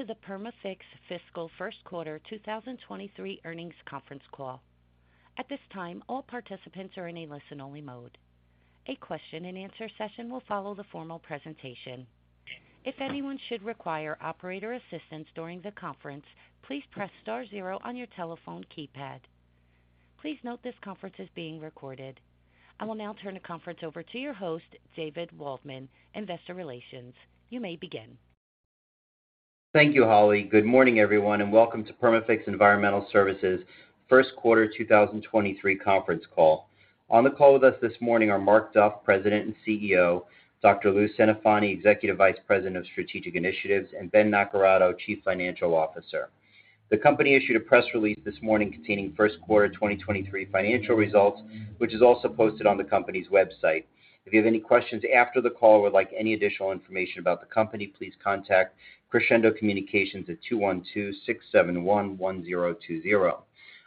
To the Perma-Fix Fiscal First Quarter 2023 earnings conference call. At this time, all participants are in a listen-only mode. A question-and-answer session will follow the formal presentation. If anyone should require operator assistance during the conference, please press star zero on your telephone keypad. Please note this conference is being recorded. I will now turn the conference over to your host, David Waldman, Investor Relations. You may begin. Thank you, Holly. Good morning, everyone, and welcome to Perma-Fix Environmental Services' first quarter 2023 conference call. On the call with us this morning are Mark Duff, President and CEO, Dr. Louis Centofanti, Executive Vice President of Strategic Initiatives, and Ben Naccarato, Chief Financial Officer. The company issued a press release this morning containing first quarter 2023 financial results, which is also posted on the company's website. If you have any questions after the call or would like any additional information about the company, please contact Crescendo Communications at 212-671-1020.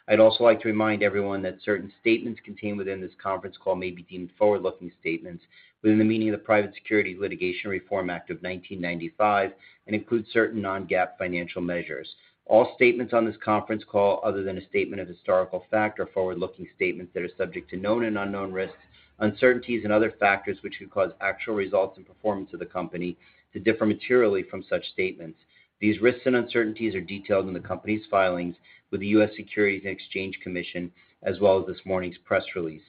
I'd also like to remind everyone that certain statements contained within this conference call may be deemed forward-looking statements within the meaning of the Private Securities Litigation Reform Act of 1995 and include certain non-GAAP financial measures. All statements on this conference call, other than a statement of historical fact, are forward-looking statements that are subject to known and unknown risks, uncertainties and other factors which could cause actual results and performance of the company to differ materially from such statements. These risks and uncertainties are detailed in the company's filings with the U.S. Securities and Exchange Commission, as well as this morning's press release.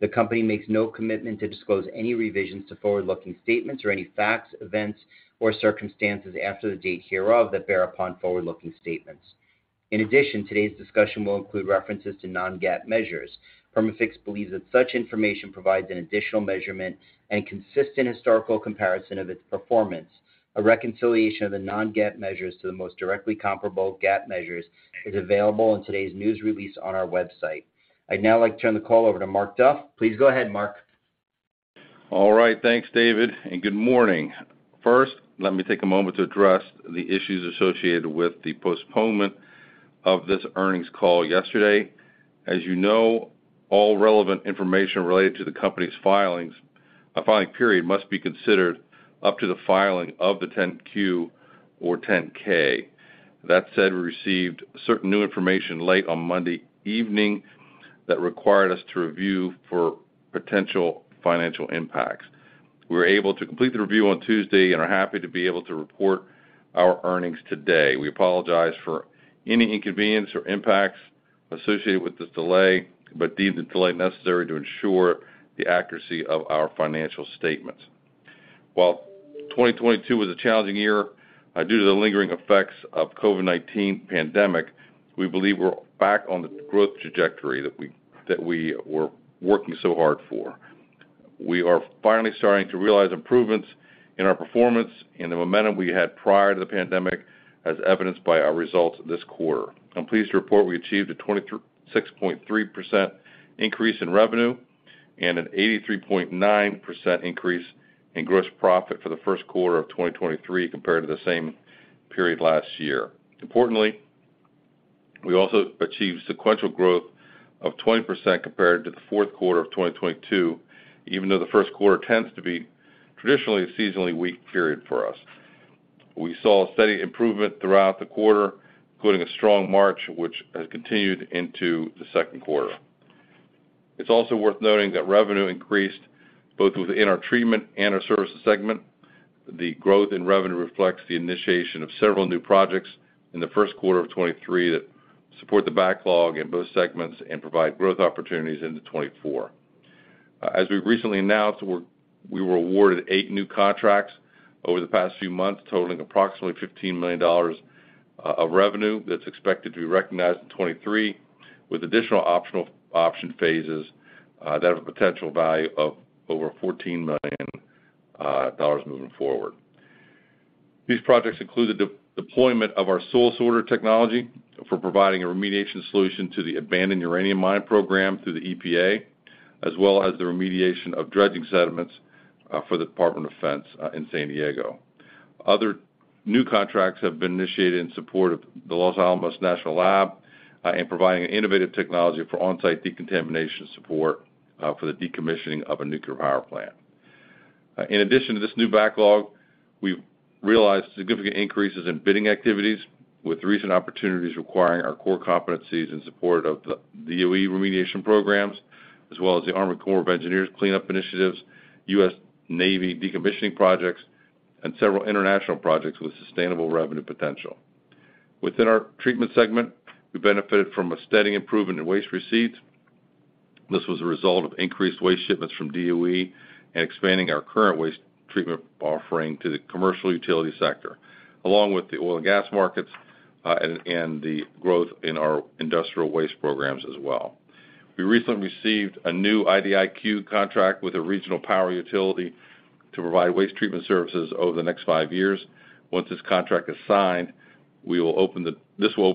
The company makes no commitment to disclose any revisions to forward-looking statements or any facts, events, or circumstances after the date hereof that bear upon forward-looking statements. In addition, today's discussion will include references to non-GAAP measures. Perma-Fix believes that such information provides an additional measurement and consistent historical comparison of its performance. A reconciliation of the non-GAAP measures to the most directly comparable GAAP measures is available in today's news release on our website. I'd now like to turn the call over to Mark Duff. Please go ahead, Mark. All right. Thanks, David. Good morning. First, let me take a moment to address the issues associated with the postponement of this earnings call yesterday. As you know, all relevant information related to the company's filing period must be considered up to the filing of the 10-Q or 10-K. That said, we received certain new information late on Monday evening that required us to review for potential financial impacts. We were able to complete the review on Tuesday and are happy to be able to report our earnings today. We apologize for any inconvenience or impacts associated with this delay, but deemed the delay necessary to ensure the accuracy of our financial statements. While 2022 was a challenging year, due to the lingering effects of COVID-19 pandemic, we believe we're back on the growth trajectory that we were working so hard for. We are finally starting to realize improvements in our performance and the momentum we had prior to the pandemic, as evidenced by our results this quarter. I'm pleased to report we achieved a 6.3% increase in revenue and an 83.9% increase in gross profit for the first quarter of 2023 compared to the same period last year. Importantly, we also achieved sequential growth of 20% compared to the fourth quarter of 2022, even though the first quarter tends to be traditionally a seasonally weak period for us. We saw a steady improvement throughout the quarter, including a strong March, which has continued into the second quarter. It's also worth noting that revenue increased both within our treatment and our services segment. The growth in revenue reflects the initiation of several new projects in the first quarter of 2023 that support the backlog in both segments and provide growth opportunities into 2024. As we've recently announced, we were awarded eight new contracts over the past few months, totaling approximately $15 million of revenue that's expected to be recognized in 2023, with additional option phases that have a potential value of over $14 million moving forward. These projects include the de-deployment of our soil sorter technology for providing a remediation solution to the abandoned uranium mine program through the EPA, as well as the remediation of dredging sediments for the Department of Defense in San Diego. Other new contracts have been initiated in support of the Los Alamos National Lab, in providing an innovative technology for on-site decontamination support for the decommissioning of a nuclear power plant. In addition to this new backlog, we've realized significant increases in bidding activities with recent opportunities requiring our core competencies in support of the DOE remediation programs, as well as the Army Corps of Engineers cleanup initiatives, U.S. Navy decommissioning projects, and several international projects with sustainable revenue potential. Within our treatment segment, we benefited from a steady improvement in waste receipts. This was a result of increased waste shipments from DOE and expanding our current waste treatment offering to the commercial utility sector, along with the oil and gas markets, and the growth in our industrial waste programs as well. We recently received a new IDIQ contract with a regional power utility to provide waste treatment services over the next five years. Once this contract is signed, this will open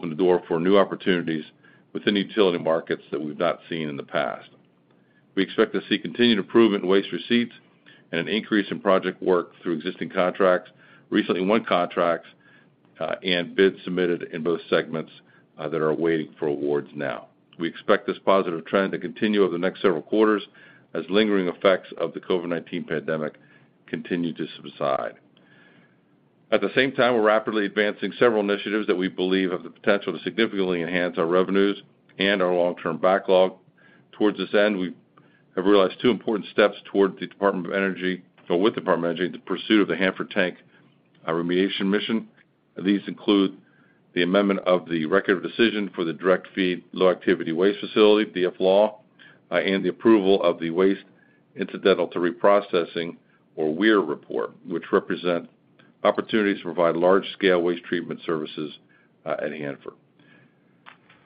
the door for new opportunities within the utility markets that we've not seen in the past. We expect to see continued improvement in waste receipts and an increase in project work through existing contracts, recently won contracts, and bids submitted in both segments that are waiting for awards now. We expect this positive trend to continue over the next several quarters as lingering effects of the COVID-19 pandemic continue to subside. At the same time, we're rapidly advancing several initiatives that we believe have the potential to significantly enhance our revenues and our long-term backlog. Towards this end, we have realized two important steps with the Department of Energy in the pursuit of the Hanford Tank Remediation Mission. These include the amendment of the record of decision for the Direct Feed Low-Activity Waste facility, DFLAW, and the approval of the Waste Incidental to Reprocessing, or WIR, report, which represent opportunities to provide large-scale waste treatment services at Hanford.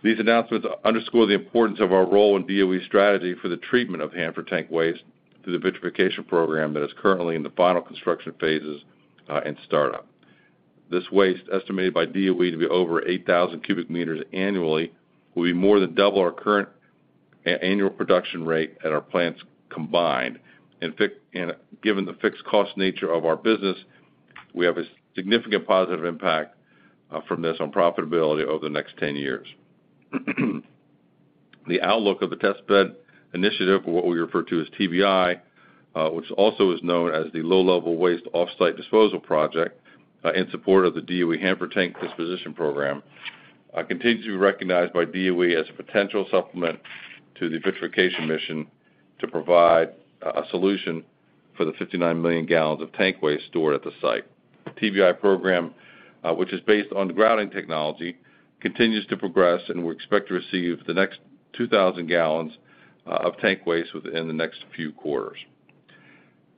These announcements underscore the importance of our role in DOE's strategy for the treatment of Hanford tank waste through the vitrification program that is currently in the final construction phases and startup. This waste, estimated by DOE to be over 8,000 cubic meters annually, will be more than double our current annual production rate at our plants combined. Given the fixed cost nature of our business, we have a significant positive impact from this on profitability over the next 10 years. The outlook of the Test Bed Initiative, what we refer to as TBI, which also is known as the Low-Level Waste Off-Site Disposal project, in support of the DOE Hanford Tank Disposition Program, continues to be recognized by DOE as a potential supplement to the vitrification mission to provide a solution for the 59 million gallons of tank waste stored at the site. TBI program, which is based on grouting technology, continues to progress, and we expect to receive the next 2,000 gallons of tank waste within the next few quarters.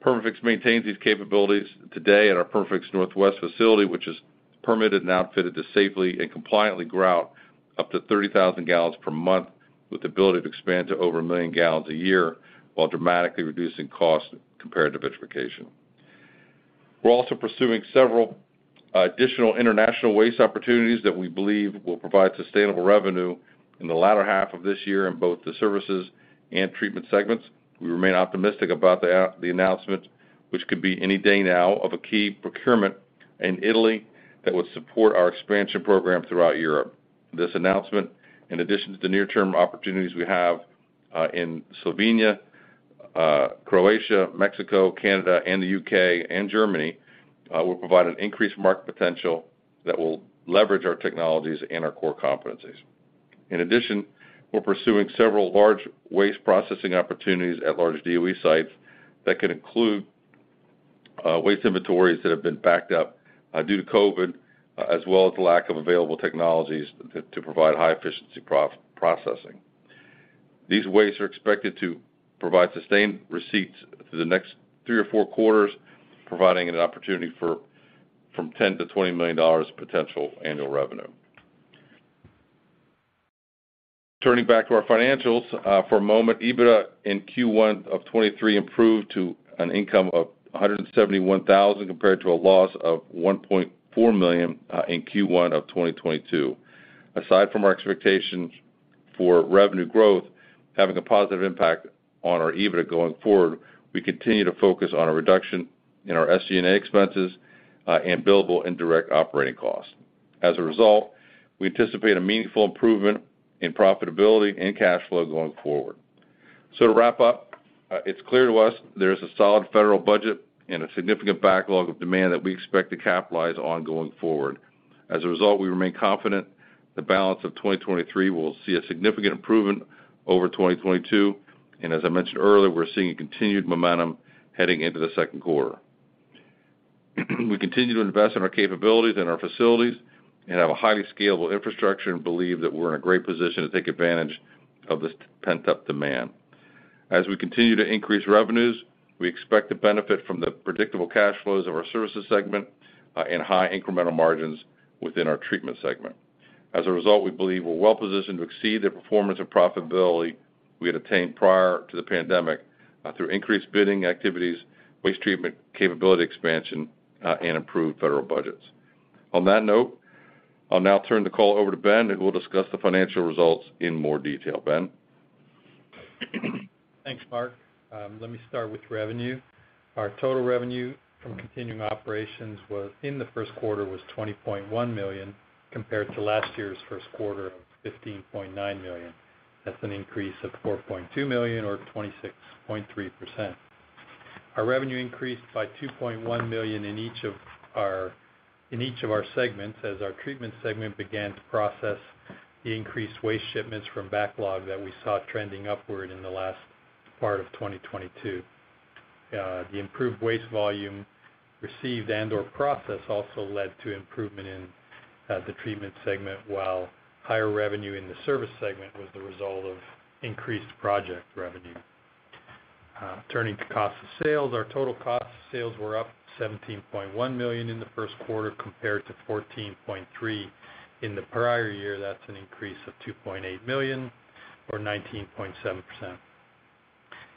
Perma-Fix maintains these capabilities today at our Perma-Fix Northwest facility, which is permitted and outfitted to safely and compliantly grout up to 30,000 gallons per month with the ability to expand to over 1 million gallons a year while dramatically reducing costs compared to vitrification. We're also pursuing several additional international waste opportunities that we believe will provide sustainable revenue in the latter half of this year in both the services and treatment segments. We remain optimistic about the announcement, which could be any day now, of a key procurement in Italy that would support our expansion program throughout Europe. This announcement, in addition to the near-term opportunities we have in Slovenia, Croatia, Mexico, Canada, and the UK and Germany, will provide an increased market potential that will leverage our technologies and our core competencies. In addition, we're pursuing several large waste processing opportunities at large DOE sites that can include waste inventories that have been backed up due to COVID, as well as the lack of available technologies to provide high efficiency processing. These wastes are expected to provide sustained receipts through the next three or four quarters, providing an opportunity from $10 million-$20 million potential annual revenue. Turning back to our financials for a moment. EBITDA in Q1 of 2023 improved to an income of $171,000, compared to a loss of $1.4 million in Q1 of 2022. Aside from our expectations for revenue growth having a positive impact on our EBITDA going forward, we continue to focus on a reduction in our SG&A expenses and billable and direct operating costs. As a result, we anticipate a meaningful improvement in profitability and cash flow going forward. To wrap up, it's clear to us there's a solid federal budget and a significant backlog of demand that we expect to capitalize on going forward. As a result, we remain confident the balance of 2023 will see a significant improvement over 2022, and as I mentioned earlier, we're seeing a continued momentum heading into the second quarter. We continue to invest in our capabilities and our facilities and have a highly scalable infrastructure and believe that we're in a great position to take advantage of this pent-up demand. As we continue to increase revenues, we expect to benefit from the predictable cash flows of our services segment, and high incremental margins within our treatment segment. As a result, we believe we're well positioned to exceed the performance and profitability we had attained prior to the pandemic, through increased bidding activities, waste treatment capability expansion, and improved federal budgets. On that note, I'll now turn the call over to Ben. We'll discuss the financial results in more detail. Ben? Thanks, Mark. Let me start with revenue. Our total revenue from continuing operations in the first quarter was $20.1 million, compared to last year's first quarter of $15.9 million. That's an increase of $4.2 million or 26.3%. Our revenue increased by $2.1 million in each of our segments as our treatment segment began to process the increased waste shipments from backlog that we saw trending upward in the last part of 2022. The improved waste volume received and/or processed also led to improvement in the treatment segment, while higher revenue in the service segment was the result of increased project revenue. Turning to cost of sales. Our total cost of sales were up $17.1 million in the first quarter compared to $14.3 million in the prior year. That's an increase of $2.8 million or 19.7%.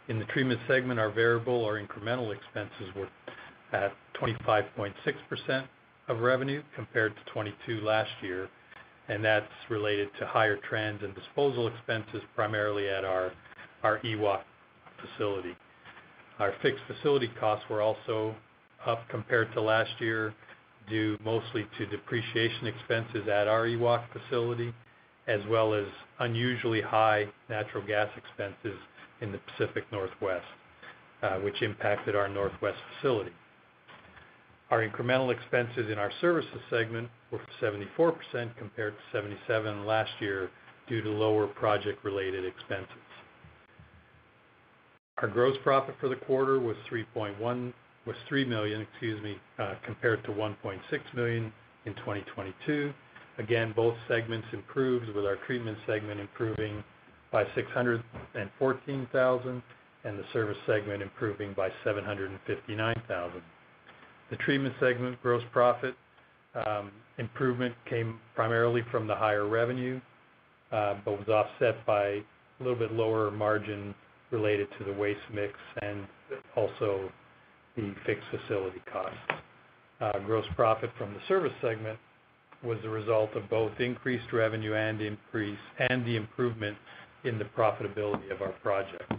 In the treatment segment, our variable or incremental expenses were at 25.6% of revenue, compared to 22% last year. That's related to higher trends in disposal expenses, primarily at our EWOC facility. Our fixed facility costs were also up compared to last year, due mostly to depreciation expenses at our EWOC facility, as well as unusually high natural gas expenses in the Pacific Northwest, which impacted our Northwest facility. Our incremental expenses in our services segment were 74% compared to 77% last year due to lower project-related expenses. Our gross profit for the quarter was $3 million, excuse me, compared to $1.6 million in 2022. Both segments improved with our treatment segment improving by $614,000 and the service segment improving by $759,000. The treatment segment gross profit improvement came primarily from the higher revenue, was offset by a little bit lower margin related to the waste mix and also the fixed facility costs. Gross profit from the service segment was a result of both increased revenue and the improvement in the profitability of our project.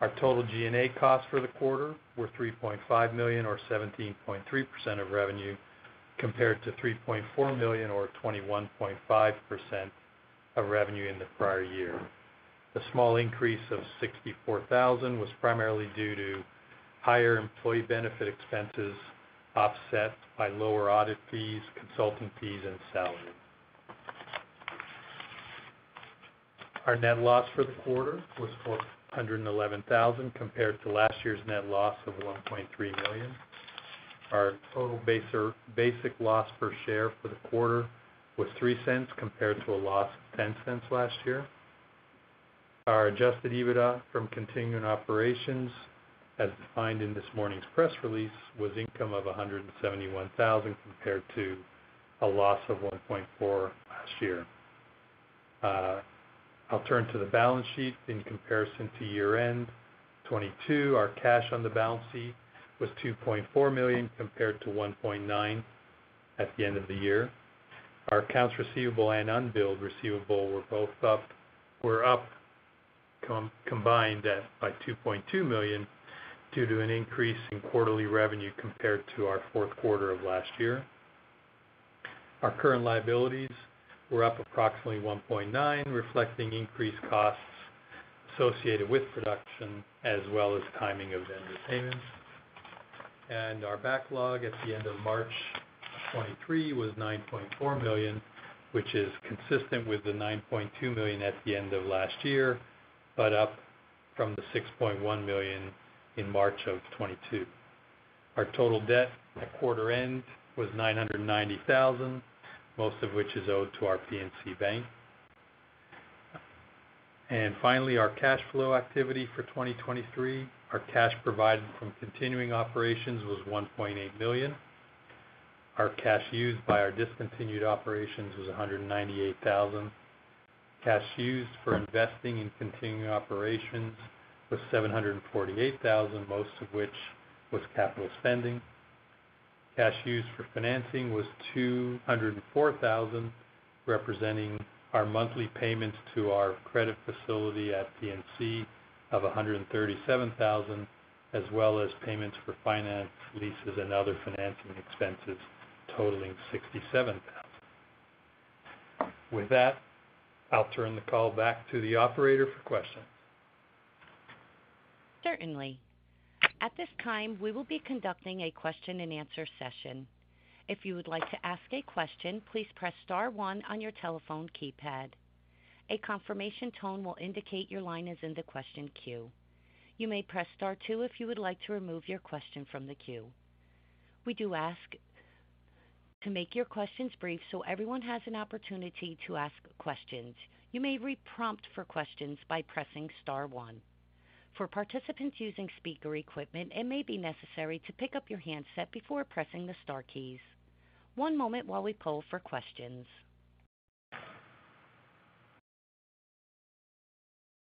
Our total G&A costs for the quarter were $3.5 million or 17.3% of revenue, compared to $3.4 million or 21.5% of revenue in the prior year. The small increase of $64,000 was primarily due to higher employee benefit expenses, offset by lower audit fees, consultant fees and salary. Our net loss for the quarter was $411,000, compared to last year's net loss of $1.3 million. Our total basic loss per share for the quarter was $0.03, compared to a loss of $0.10 last year. Our adjusted EBITDA from continuing operations, as defined in this morning's press release, was income of $171,000, compared to a loss of $1.4 million last year. I'll turn to the balance sheet in comparison to year-end 2022. Our cash on the balance sheet was $2.4 million, compared to $1.9 million at the end of the year. Our accounts receivable and unbilled receivable were up combined by $2.2 million due to an increase in quarterly revenue compared to our fourth quarter of last year. Our current liabilities were up approximately $1.9, reflecting increased costs associated with production as well as timing of vendor payments. Our backlog at the end of March 2023 was $9.4 million, which is consistent with the $9.2 million at the end of last year, but up from the $6.1 million in March of 2022. Our total debt at quarter end was $990,000, most of which is owed to our PNC Bank. Finally, our cash flow activity for 2023. Our cash provided from continuing operations was $1.8 million. Our cash used by our discontinued operations was $198,000. Cash used for investing in continuing operations was $748,000, most of which was capital spending. Cash used for financing was $204,000, representing our monthly payments to our credit facility at PNC of $137,000, as well as payments for finance leases and other financing expenses totaling $67,000. With that, I'll turn the call back to the operator for questions. Certainly. At this time, we will be conducting a question and answer session. If you would like to ask a question, please press star one on your telephone keypad. A confirmation tone will indicate your line is in the question queue. You may press star two if you would like to remove your question from the queue. We do ask to make your questions brief so everyone has an opportunity to ask questions. You may re-prompt for questions by pressing star one. For participants using speaker equipment, it may be necessary to pick up your handset before pressing the star keys. One moment while we poll for questions.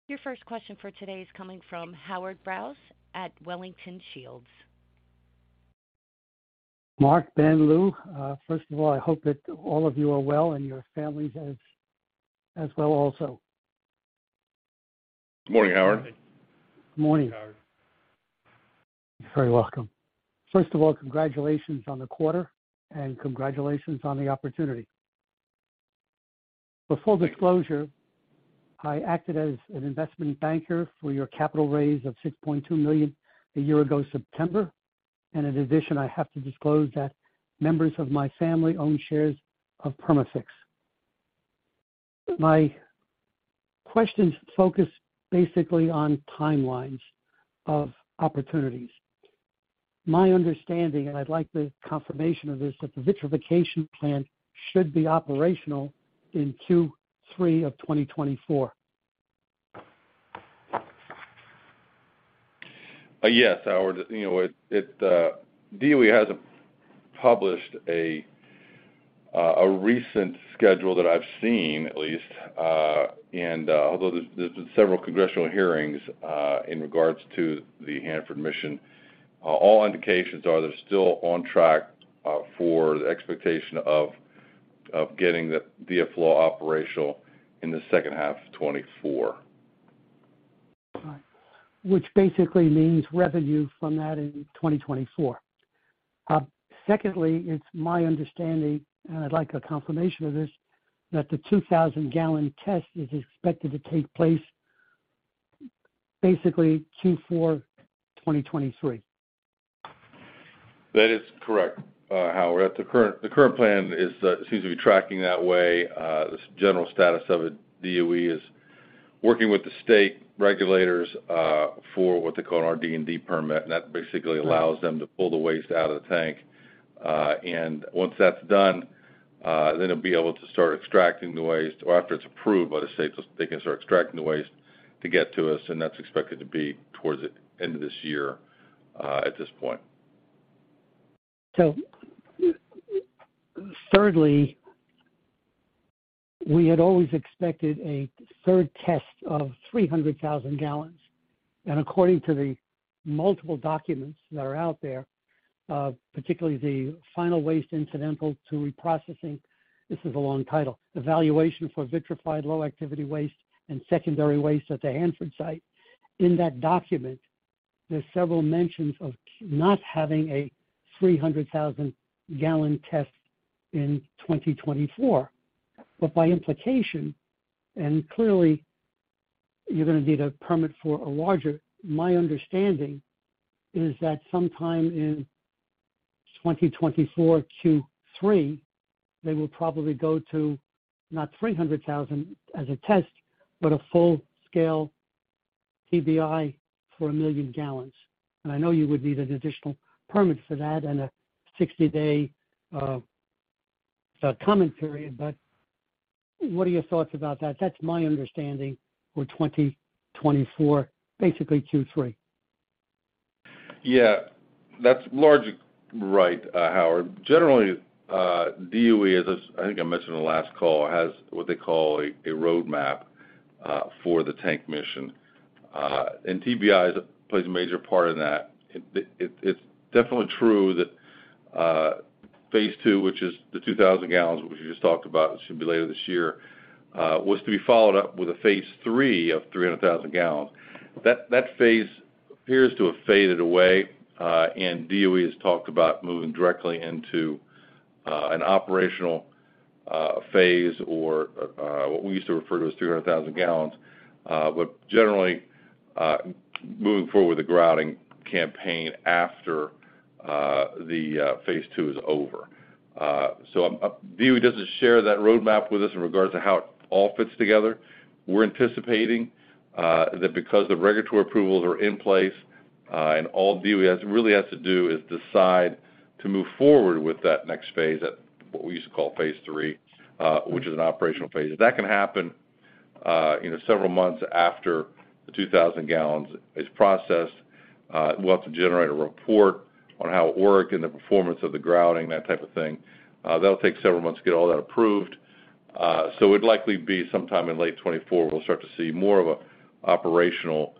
Your first question for today is coming from Howard Brous at Wellington Shields. Mark, Ben, Louis, first of all, I hope that all of you are well and your families as well also. Good morning, Howard. Good morning, Howard. You're very welcome. First of all, congratulations on the quarter and congratulations on the opportunity. For full disclosure, I acted as an investment banker for your capital raise of $6.2 million a year ago, September. In addition, I have to disclose that members of my family own shares of Perma-Fix. My questions focus basically on timelines of opportunities. My understanding, and I'd like the confirmation of this, that the vitrification plant should be operational in Q3 of 2024. Yes, Howard. You know, it, DOE hasn't published a recent schedule that I've seen at least, and although there's been several congressional hearings in regards to the Hanford mission, all indications are they're still on track for the expectation of getting the DFLAW operational in the second half of 2024. All right. Which basically means revenue from that in 2024? Secondly, it's my understanding, and I'd like a confirmation of this, that the 2,000 gallon test is expected to take place basically Q4 2023. That is correct, Howard. The current plan is seems to be tracking that way. The general status of it, DOE is working with the state regulators for what they call an RD&D permit, and that basically allows them to pull the waste out of the tank. Once that's done, then they'll be able to start extracting the waste. After it's approved by the state, they can start extracting the waste to get to us, and that's expected to be towards the end of this year at this point. Thirdly, we had always expected a third test of 300,000 gallons. According to the multiple documents that are out there, particularly the final Waste Incidental to Reprocessing. This is a long title. Evaluation for vitrified low activity waste and secondary waste at the Hanford Site. In that document, there's several mentions of not having a 300,000 gallon test in 2024. By implication, and clearly you're gonna need a permit for a larger. My understanding is that sometime in 2024 Q3, they will probably go to not 300,000 as a test, but a full-scale TBI for 1 million gallons. I know you would need an additional permit for that and a 60-day comment period. What are your thoughts about that? That's my understanding for 2024, basically Q3. Yeah. That's largely right, Howard. Generally, DOE, as I think I mentioned in the last call, has what they call a roadmap for the tank mission. TBI plays a major part in that. It's definitely true that phase two, which is the 2,000 gallons, which we just talked about, it should be later this year, was to be followed up with a phase three of 300,000 gallons. That phase appears to have faded away, and DOE has talked about moving directly into an operational phase or what we used to refer to as 300,000 gallons. Generally, moving forward with the grouting campaign after the phase II is over. DOE doesn't share that roadmap with us in regards to how it all fits together. We're anticipating that because the regulatory approvals are in place, all DOE really has to do is decide to move forward with that next phase at what we used to call phase III, which is an operational phase. That can happen, you know, several months after the 2,000 gallons is processed. We'll have to generate a report on how it worked and the performance of the grouting, that type of thing. That'll take several months to get all that approved. It'd likely be sometime in late 2024, we'll start to see more of a operational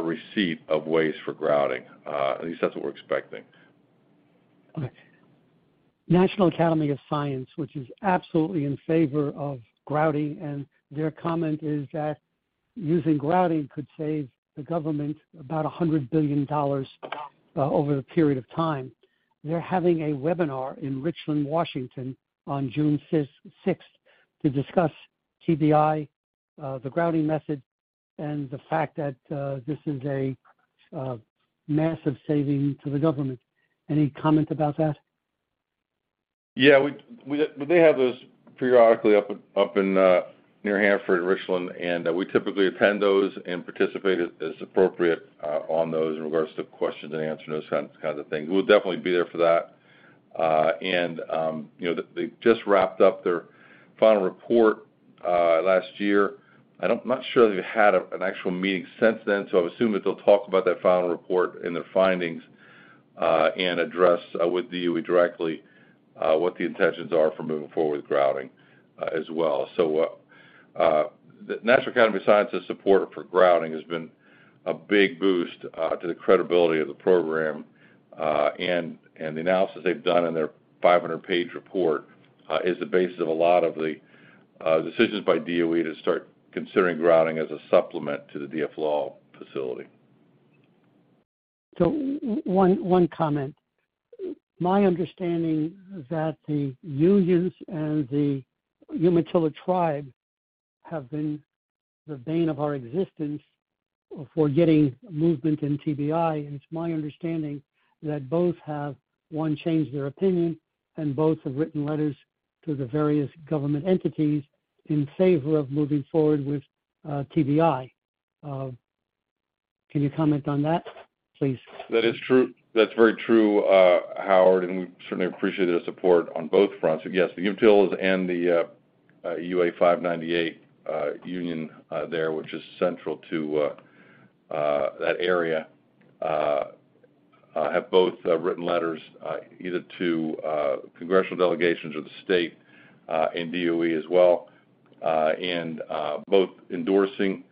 receipt of waste for grouting. At least that's what we're expecting. Okay. National Academy of Sciences, which is absolutely in favor of grouting, their comment is that using grouting could save the government about $100 billion over a period of time. They're having a webinar in Richland, Washington on June 6th to discuss TBI, the grouting method, the fact that this is a massive saving to the government. Any comment about that? Yeah. We have those periodically up in near Hanford and Richland, and we typically attend those and participate as appropriate on those in regards to questions and answers and those kind of things. We'll definitely be there for that. You know, they just wrapped up their final report last year. I'm not sure they've had an actual meeting since then, I would assume that they'll talk about that final report and their findings and address with DOE directly what the intentions are for moving forward with grouting as well. The National Academy of Sciences's support for grouting has been a big boost to the credibility of the program. The analysis they've done in their 500 page report, is the basis of a lot of the decisions by DOE to start considering grouting as a supplement to the DFL facility. One comment. My understanding is that the unions and the Umatilla Tribe have been the bane of our existence for getting movement in TBI, and it's my understanding that both have, one, changed their opinion, and both have written letters to the various government entities in favor of moving forward with TBI. Can you comment on that, please? That is true. That's very true, Howard, and we certainly appreciate their support on both fronts. Yes, the Umatillas and the UA Local 598 union there, which is central to that area, have both written letters either to congressional delegations or the state and DOE as well. Both endorsing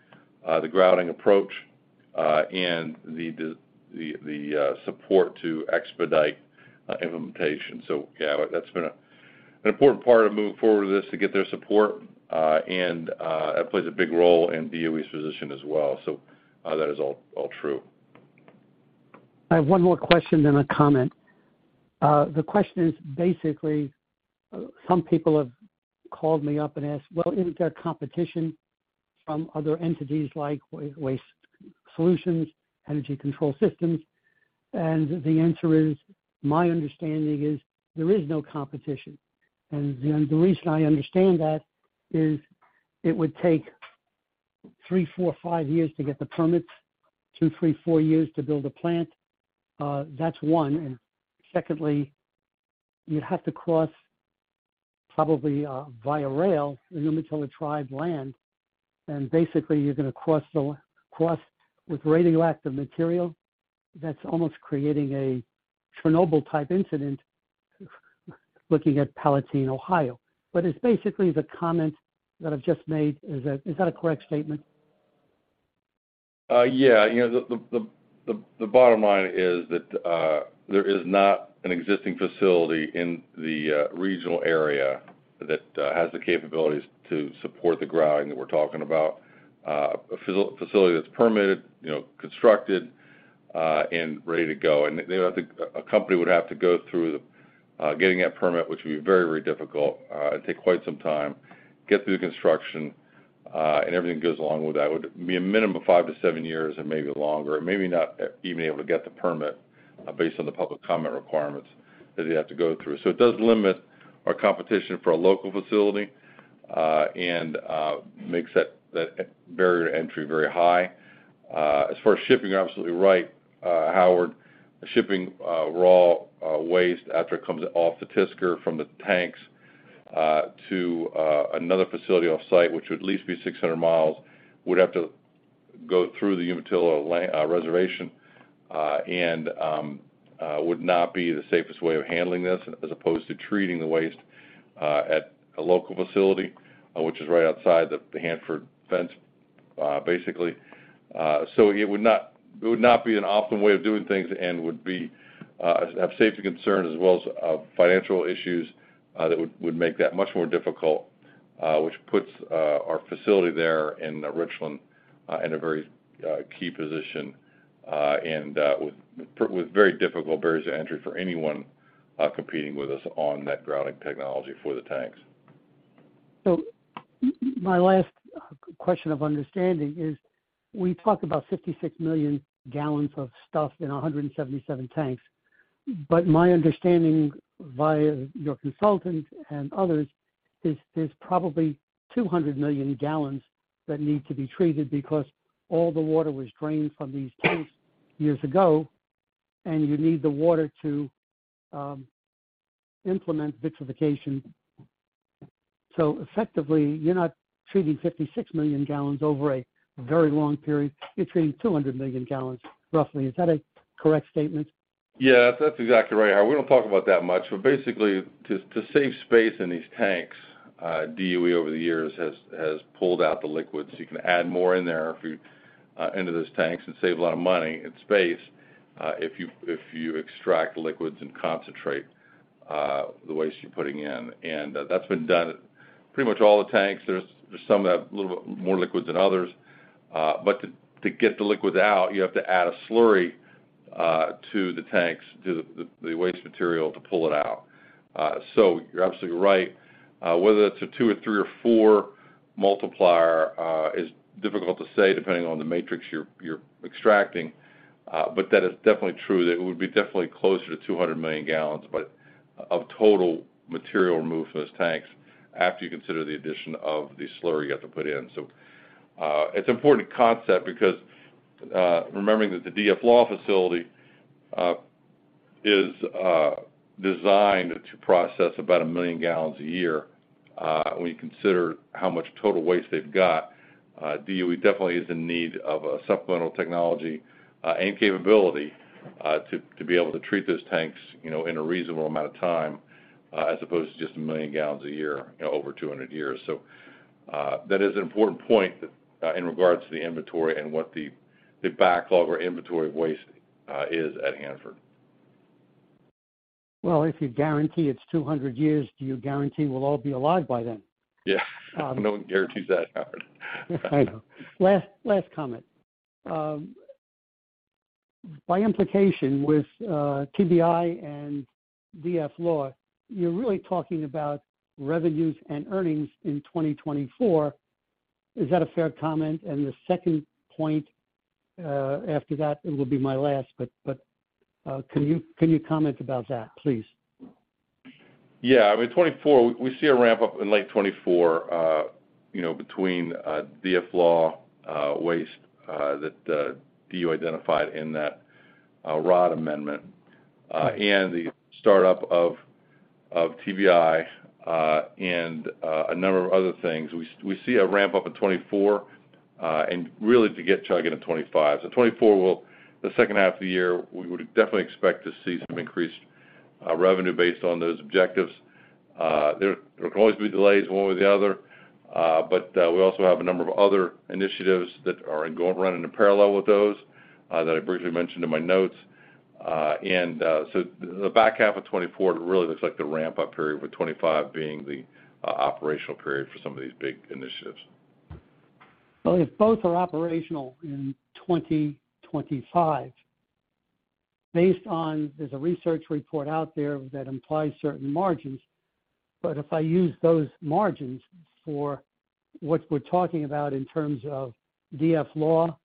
the grouting approach and the support to expedite implementation. Yeah, that's been an important part of moving forward with this to get their support, and it plays a big role in DOE's position as well. That is all true. I have one more question, then a comment. The question is basically, some people have called me up and asked, "Well, isn't there competition from other entities like Waste Control Specialists, EnergySolutions?" The answer is, my understanding is there is no competition. The reason I understand that is it would take 3, 4, 5 years to get the permits, 2, 3, 4 years to build a plant. That's one. Secondly, you'd have to cross, probably, via rail, the Umatilla Tribe land, and basically, you're gonna cross with radioactive material that's almost creating a Chernobyl-type incident looking at Piketon, Ohio. It's basically the comment that I've just made is that, is that a correct statement? Yeah. You know, the bottom line is that there is not an existing facility in the regional area that has the capabilities to support the grounding that we're talking about. A facility that's permitted, you know, constructed, and ready to go. I think a company would have to go through getting that permit, which would be very, very difficult, and take quite some time, get through the construction, and everything goes along with that would be a minimum of 5 to 7 years and maybe longer, and maybe not even able to get the permit, based on the public comment requirements that you have to go through. It does limit our competition for a local facility, and makes that barrier to entry very high. As far as shipping, you're absolutely right, Howard. Shipping raw waste after it comes off the thickener from the tanks to another facility offsite, which would at least be 600 miles, would have to go through the Umatilla Reservation, and would not be the safest way of handling this as opposed to treating the waste at a local facility, which is right outside the Hanford fence, basically. It would not be an optimal way of doing things and would be, have safety concerns as well as financial issues that would make that much more difficult, which puts our facility there in Richland in a very key position and with very difficult barriers to entry for anyone competing with us on that grouting technology for the tanks. My last question of understanding is, we talk about 56 million gallons of stuff in 177 tanks. My understanding via your consultant and others is there's probably 200 million gallons that need to be treated because all the water was drained from these tanks years ago, and you need the water to implement vitrification. Effectively, you're not treating 56 million gallons over a very long period, you're treating 200 million gallons roughly. Is that a correct statement? Yeah. That's exactly right, Howard. We don't talk about that much, but basically to save space in these tanks, DOE over the years has pulled out the liquids. You can add more in there into those tanks and save a lot of money and space, if you extract the liquids and concentrate the waste you're putting in. That's been done pretty much all the tanks. There's some that have a little bit more liquids than others. To get the liquids out, you have to add a slurry to the tanks, to the waste material to pull it out. You're absolutely right. Whether it's a 2 or 3 or 4 multiplier, is difficult to say depending on the matrix you're extracting. That is definitely true, that it would be definitely closer to 200 million gallons, but of total material removed from those tanks after you consider the addition of the slurry you have to put in. It's important concept because remembering that the DFLAW facility is designed to process about 1 million gallons a year, when you consider how much total waste they've got, DOE definitely is in need of a supplemental technology and capability to be able to treat those tanks, you know, in a reasonable amount of time, as opposed to just 1 million gallons a year, you know, over 200 years. That is an important point in regards to the inventory and what the backlog or inventory of waste is at Hanford. Well, if you guarantee it's 200 years, do you guarantee we'll all be alive by then? Yeah. No one guarantees that, Howard. I know. Last comment. By implication with TBI and DFLAW, you're really talking about revenues and earnings in 2024. Is that a fair comment? The second point, after that, it will be my last, but can you comment about that, please? Yeah. I mean, we see a ramp-up in late 2024, you know, between DFLAW waste that DOE identified in that ROD Amendment, and the startup of TBI and a number of other things. We see a ramp-up in 2024 and really to get chugging in 2025. The second half of the year, we would definitely expect to see some increased revenue based on those objectives. There can always be delays one way or the other, but we also have a number of other initiatives that are running in parallel with those that I briefly mentioned in my notes. The back half of 2024 really looks like the ramp-up period, with 2025 being the operational period for some of these big initiatives. Well, if both are operational in 2025, there's a research report out there that implies certain margins, but if I use those margins for what we're talking about in terms of DFLAW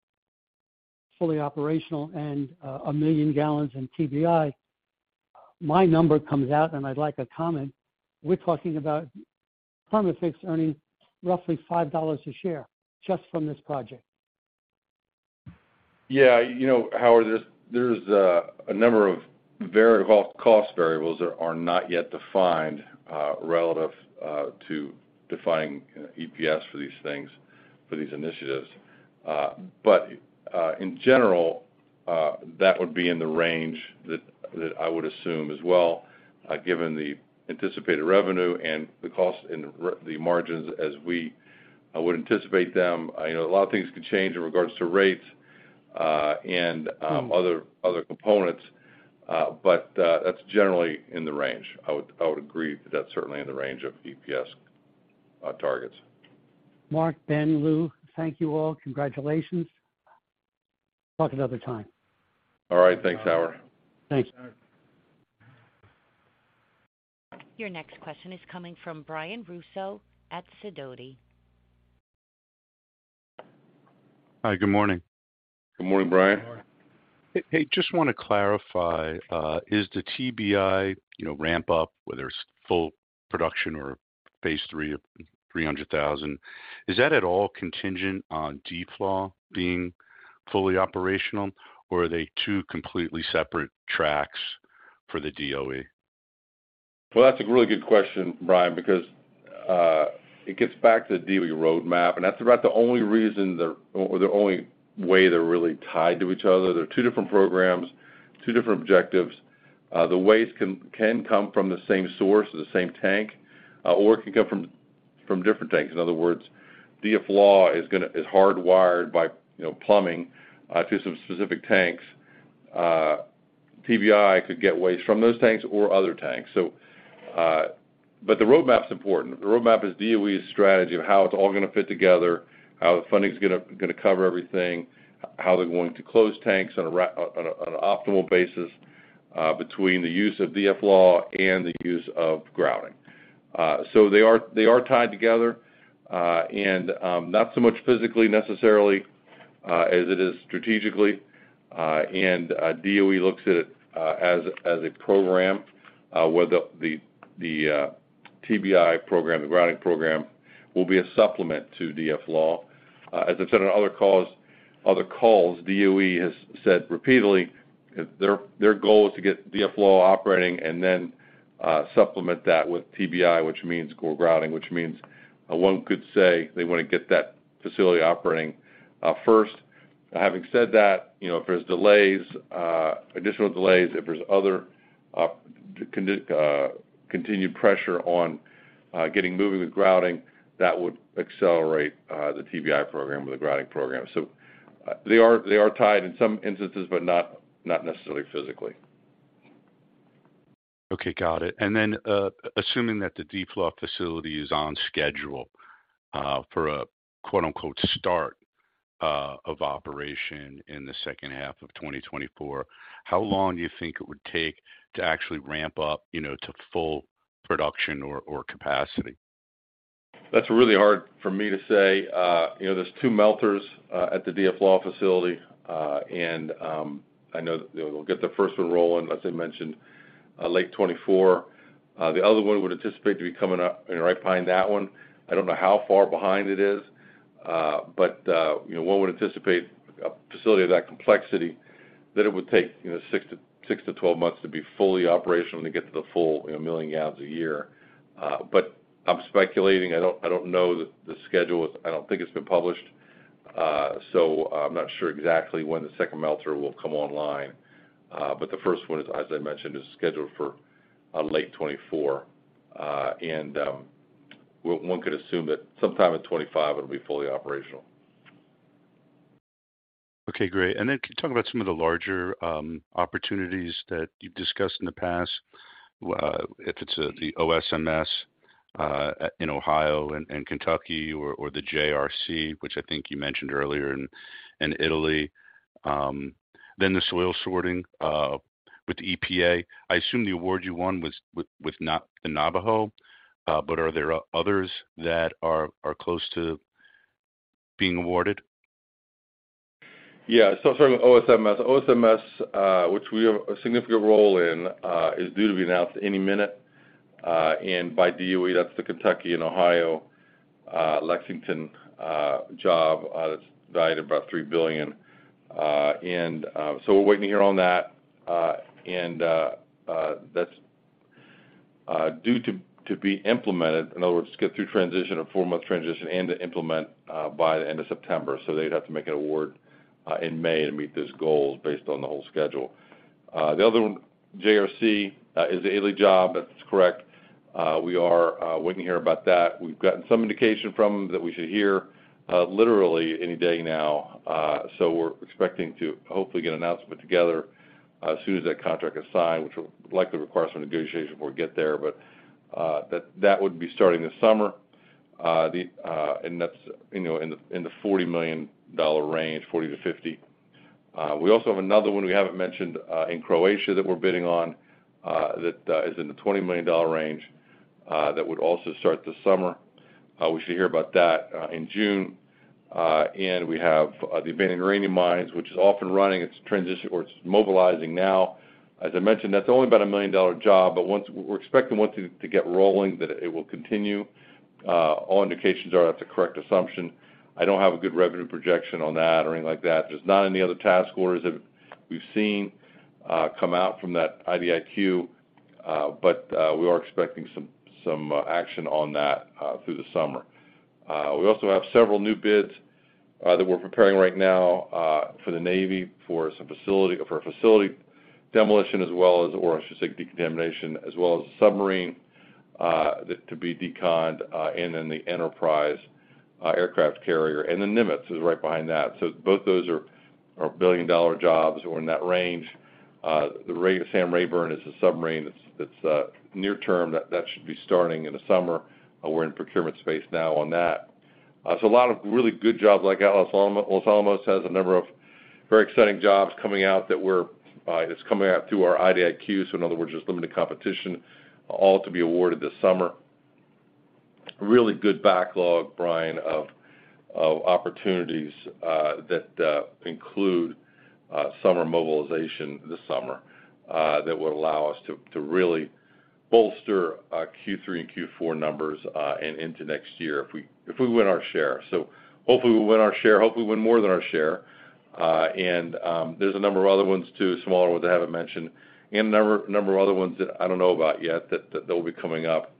fully operational and 1 million gallons in TBI. My number comes out, and I'd like a comment. We're talking about Perma-Fix earning roughly $5 a share just from this project. Yeah. You know, Howard, there's a number of variable, cost variables that are not yet defined, relative to defining EPS for these things, for these initiatives. In general, that would be in the range that I would assume as well, given the anticipated revenue and the cost and the margins as we would anticipate them. You know, a lot of things could change in regards to rates, and other components. That's generally in the range. I would agree that that's certainly in the range of EPS targets. Mark, Ben, Lou, thank you all. Congratulations. Talk another time. All right. Thanks, Howard. Thanks. Your next question is coming from Brian Russo at Sidoti. Hi. Good morning. Good morning, Brian. Hey, just want to clarify. Is the TBI, you know, ramp up, whether it's full production or phase III, 300,000, is that at all contingent on DFLAW being fully operational, or are they two completely separate tracks for the DOE? That's a really good question, Brian, because it gets back to the DOE roadmap, and that's about the only way they're really tied to each other. They're two different programs, two different objectives. The waste can come from the same source or the same tank, or it can come from different tanks. In other words, DFLAW is hardwired by, you know, plumbing, to some specific tanks. TBI could get waste from those tanks or other tanks. The roadmap's important. The roadmap is DOE's strategy of how it's all gonna fit together, how the funding is gonna cover everything, how they're going to close tanks on an optimal basis, between the use of DFLAW and the use of grouting. They are tied together, not so much physically necessarily, as it is strategically. DOE looks at it as a program where the TBI program, the grouting program, will be a supplement to DFLAW. As I said on other calls, DOE has said repeatedly their goal is to get DFLAW operating and then supplement that with TBI, which means core grouting, which means one could say they want to get that facility operating first. Having said that, you know, if there's delays, additional delays, if there's other continued pressure on getting moving with grouting, that would accelerate the TBI program or the grouting program. They are tied in some instances, but not necessarily physically. Okay, got it. Assuming that the DFLAW facility is on schedule for a quote-unquote, "start," of operation in the second half of 2024, how long do you think it would take to actually ramp up, you know, to full production or capacity? That's really hard for me to say. you know, there's 2 melters at the DFLAW facility. I know they'll get the first one rolling, as I mentioned, late 2024. The other one would anticipate to be coming up, you know, right behind that one. I don't know how far behind it is, but, you know, one would anticipate a facility of that complexity that it would take, you know, 6-12 months to be fully operational and to get to the full, you know, 1 million gallons a year. I'm speculating. I don't know the schedule. I don't think it's been published. I'm not sure exactly when the second melter will come online. The first one is, as I mentioned, is scheduled for late 2024. One could assume that sometime in 2025 it'll be fully operational. Okay, great. Can you talk about some of the larger opportunities that you've discussed in the past? If it's the OSMS in Ohio and Kentucky or the JRC, which I think you mentioned earlier in Italy, then the soil sorting with the EPA. I assume the award you won was with the Navajo. Are there others that are close to being awarded? Yeah. Starting with OSMS. OSMS, which we have a significant role in, is due to be announced any minute. By DOE, that's the Kentucky and Ohio, Lexington job, that's valued at about $3 billion. We're waiting to hear on that. That's due to be implemented. In other words, to get through transition, a 4-month transition, and to implement by the end of September. They'd have to make an award in May and meet those goals based on the whole schedule. The other one-JRC is the Aiken job, that's correct. We are waiting to hear about that. We've gotten some indication from them that we should hear literally any day now. We're expecting to hopefully get an announcement together as soon as that contract is signed, which will likely require some negotiation before we get there. That would be starting this summer. That's, you know, in the $40 million range, $40-$50. We also have another one we haven't mentioned in Croatia that we're bidding on that is in the $20 million range that would also start this summer. We should hear about that in June. We have the abandoned uranium mines, which is off and running. It's mobilizing now. As I mentioned, that's only about a $1 million job. We're expecting once it get rolling, that it will continue. All indications are that's a correct assumption. I don't have a good revenue projection on that or anything like that. There's not any other task orders that we've seen come out from that IDIQ, but we are expecting some action on that through the summer. We also have several new bids that we're preparing right now for the Navy for a facility demolition, as well as decontamination, as well as a submarine that to be deconned, and then the Enterprise aircraft carrier. The Nimitz is right behind that. Both those are billion-dollar jobs or in that range. The Sam Rayburn is a submarine that's near term. That should be starting in the summer. We're in procurement space now on that. So a lot of really good jobs like Los Alamos has a number of very exciting jobs coming out that we're, it's coming out through our IDIQ, so in other words, there's limited competition, all to be awarded this summer. Really good backlog, Brian, of opportunities that include summer mobilization this summer that would allow us to really bolster Q3 and Q4 numbers and into next year if we win our share. Hopefully, we'll win our share. Hopefully, win more than our share. And there's a number of other ones too, smaller ones I haven't mentioned, and a number of other ones that I don't know about yet that will be coming up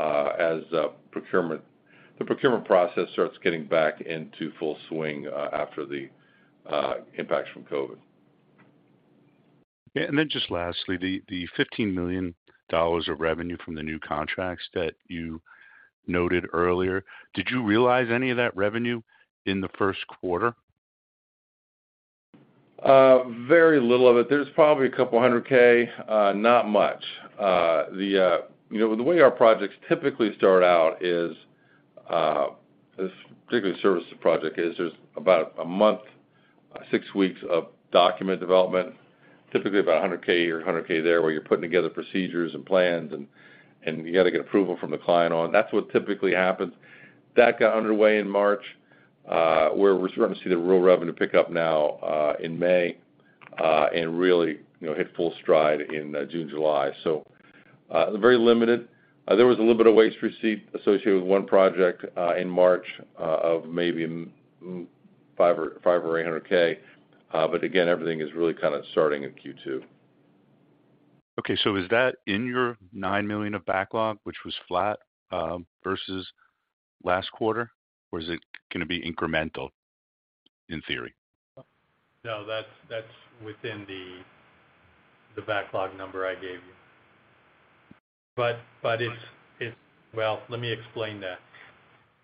as procurement. The procurement process starts getting back into full swing, after the impacts from COVID. Yeah. Then just lastly, the $15 million of revenue from the new contracts that you noted earlier, did you realize any of that revenue in the first quarter? Very little of it. There's probably a couple hundred K, not much. You know, the way our projects typically start out is this particular services project is there's about a month, six weeks of document development, typically about $100K or $100K there, where you're putting together procedures and plans, and you gotta get approval from the client on. That's what typically happens. That got underway in March. We're starting to see the real revenue pick-up now in May, and really, you know, hit full stride in June, July. Very limited. There was a little bit of waste receipt associated with one project in March, of maybe five or $800K. Again, everything is really kinda starting in Q2. Okay. Is that in your $9 million of backlog, which was flat, versus last quarter? Or is it gonna be incremental in theory? No, that's within the backlog number I gave you. It's. Well, let me explain that.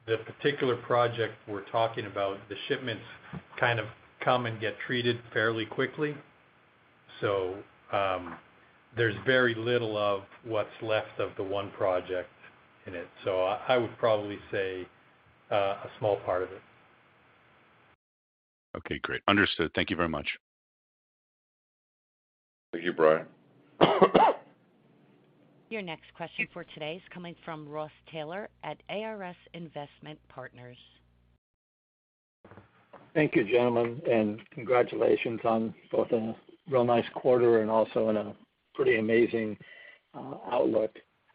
The particular project we're talking about, the shipments kind of come and get treated fairly quickly. There's very little of what's left of the one project in it. I would probably say a small part of it. Okay, great. Understood. Thank you very much. Thank you, Brian. Your next question for today is coming from Ross Taylor at ARS Investment Partners. Thank you, gentlemen. Congratulations on both a real nice quarter and also on a pretty amazing outlook.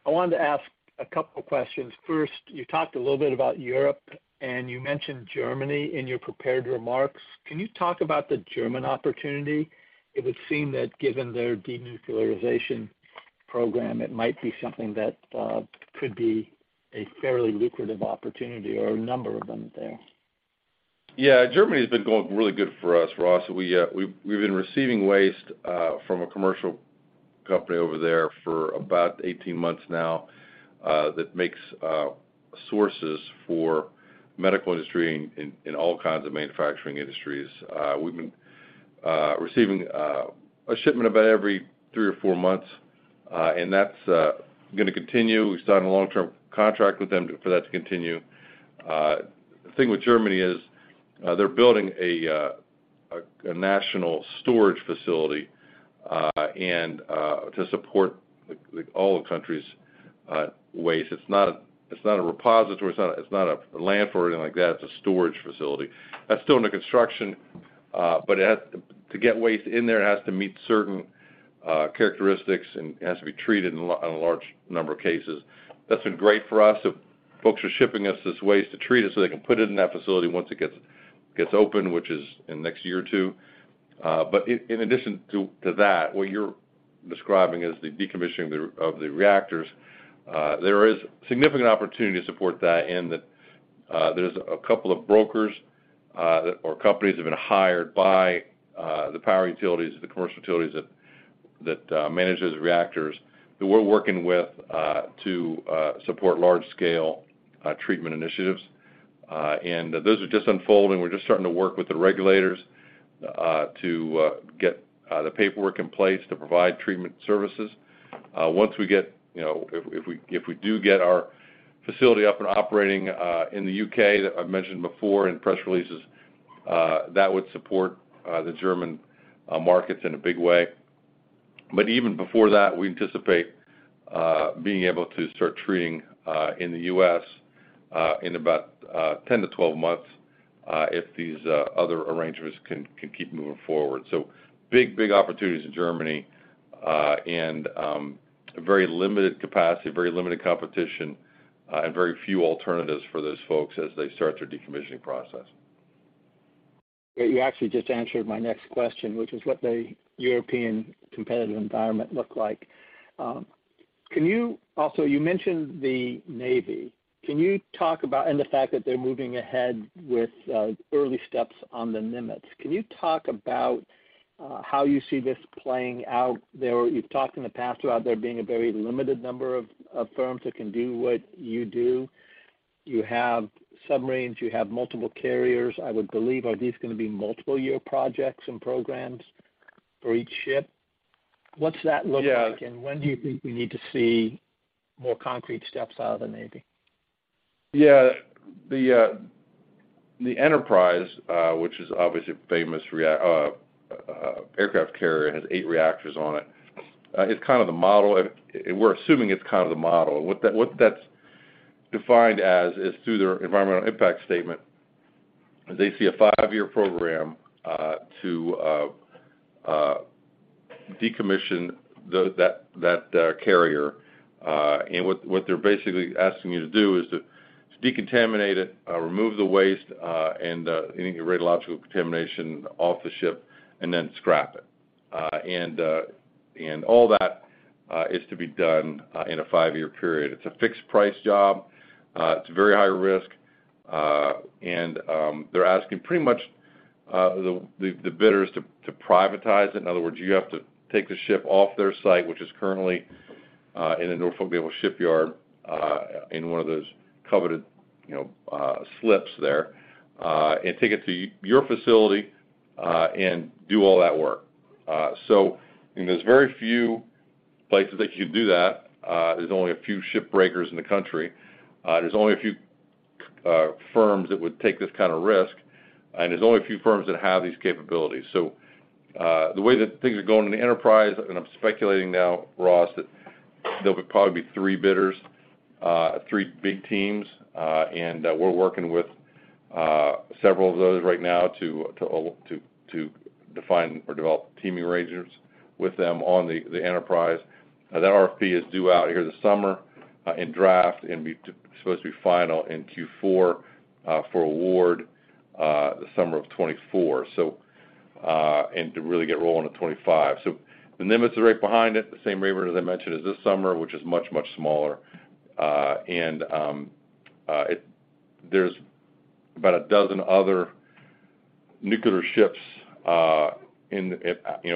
I wanted to ask a couple questions. You talked a little bit about Europe, and you mentioned Germany in your prepared remarks. Can you talk about the German opportunity? It would seem that given their denuclearization program, it might be something that could be a fairly lucrative opportunity or a number of them there. Yeah. Germany has been going really good for us, Ross. We've been receiving waste from a commercial company over there for about 18 months now that makes sources for medical industry in all kinds of manufacturing industries. We've been receiving a shipment about every 3 or 4 months, and that's gonna continue. We've signed a long-term contract with them for that to continue. The thing with Germany is, they're building a national storage facility and to support all the country's waste. It's not a repository, it's not a land or anything like that. It's a storage facility. That's still under construction, but it has to get waste in there, it has to meet certain characteristics and has to be treated in a large number of cases. That's been great for us. Folks are shipping us this waste to treat it so they can put it in that facility once it gets open, which is in the next year or two. In addition to that, what you're describing as the decommissioning of the reactors, there is significant opportunity to support that and that, there's a couple of brokers that or companies have been hired by the power utilities, the commercial utilities that manage those reactors who we're working with to support large scale treatment initiatives. Those are just unfolding. We're just starting to work with the regulators to get the paperwork in place to provide treatment services. Once we get, you know, if we do get our facility up and operating in the U.K. that I've mentioned before in press releases, that would support the German markets in a big way. Even before that, we anticipate being able to start treating in the U.S. in about 10 to 12 months if these other arrangements can keep moving forward. Big opportunities in Germany and a very limited capacity, very limited competition, and very few alternatives for those folks as they start their decommissioning process. You actually just answered my next question, which is what the European competitive environment look like. Also, you mentioned the Navy. Can you talk about the fact that they're moving ahead with early steps on the Nimitz? Can you talk about how you see this playing out there? You've talked in the past about there being a very limited number of firms that can do what you do. You have submarines, you have multiple carriers, I would believe. Are these gonna be multiple year projects and programs for each ship? What's that look like? Yeah. When do you think we need to see more concrete steps out of the Navy? Yeah. The Enterprise, which is obviously a famous aircraft carrier, has 8 reactors on it, is kind of the model. We're assuming it's kind of the model. What that's defined as is through their environmental impact statement, they see a 5-year program to decommission that carrier. What they're basically asking you to do is to decontaminate it, remove the waste, and any radiological contamination off the ship and then scrap it. All that is to be done in a 5-year period. It's a fixed price job. It's very high risk. They're asking pretty much the bidders to privatize it. In other words, you have to take the ship off their site, which is currently, in the Norfolk Naval Shipyard, in one of those coveted, you know, slips there, and take it to your facility, and do all that work. There's very few places that you can do that. There's only a few ship breakers in the country. There's only a few firms that would take this kind of risk, and there's only a few firms that have these capabilities. The way that things are going in the Enterprise, and I'm speculating now, Ross, that there will probably be three bidders, three big teams, and we're working with several of those right now to define or develop teaming arrangements with them on the Enterprise. That RFP is due out here this summer, in draft, and supposed to be final in Q4 for award the summer of 2024. To really get rolling in 2025. The Nimitz is right behind it. The same waiver as I mentioned is this summer, which is much, much smaller. There's about 12 other nuclear ships, you know,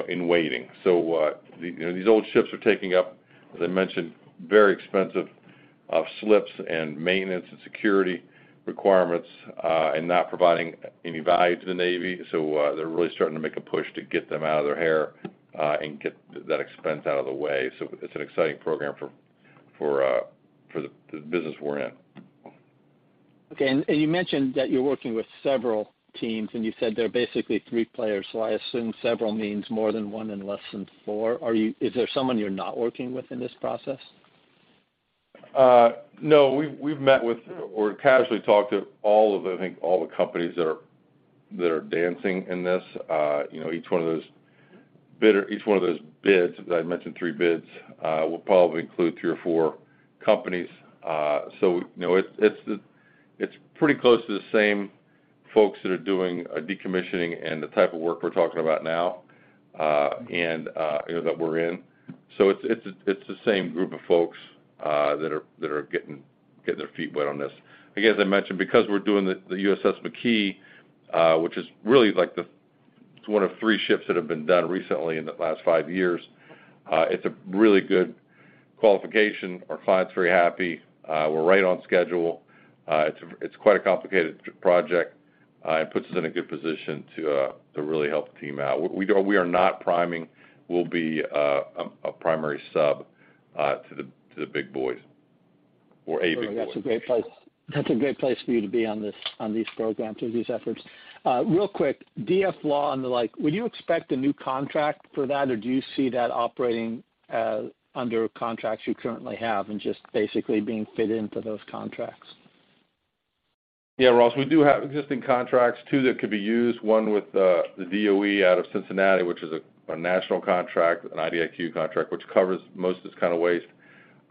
in waiting. You know, these old ships are taking up, as I mentioned, very expensive slips and maintenance and security requirements and not providing any value to the Navy. They're really starting to make a push to get them out of their hair and get that expense out of the way. It's an exciting program for the business we're in. Okay. You mentioned that you're working with several teams, and you said there are basically three players. I assume several means more than one and less than four. Is there someone you're not working with in this process? No. We've met with or casually talked to I think all the companies that are dancing in this. You know, each one of those bids, as I mentioned, three bids, will probably include three or four companies. You know, it's pretty close to the same folks that are doing decommissioning and the type of work we're talking about now, and, you know, that we're in. It's the same group of folks that are getting their feet wet on this. Again, as I mentioned, because we're doing the USS McKee, which is really like it's one of three ships that have been done recently in the last five years, it's a really good qualification. Our client's very happy. We're right on schedule. It's quite a complicated project. It puts us in a good position to really help the team out. We are not priming. We'll be a primary sub to the big boys or a big boy. That's a great place for you to be on this, on these programs or these efforts. Real quick, DFLAW and the like, would you expect a new contract for that, or do you see that operating under contracts you currently have and just basically being fitted into those contracts? Ross, we do have existing contracts, two that could be used, one with the DOE out of Cincinnati, which is a national contract, an IDIQ contract, which covers most of this kind of waste,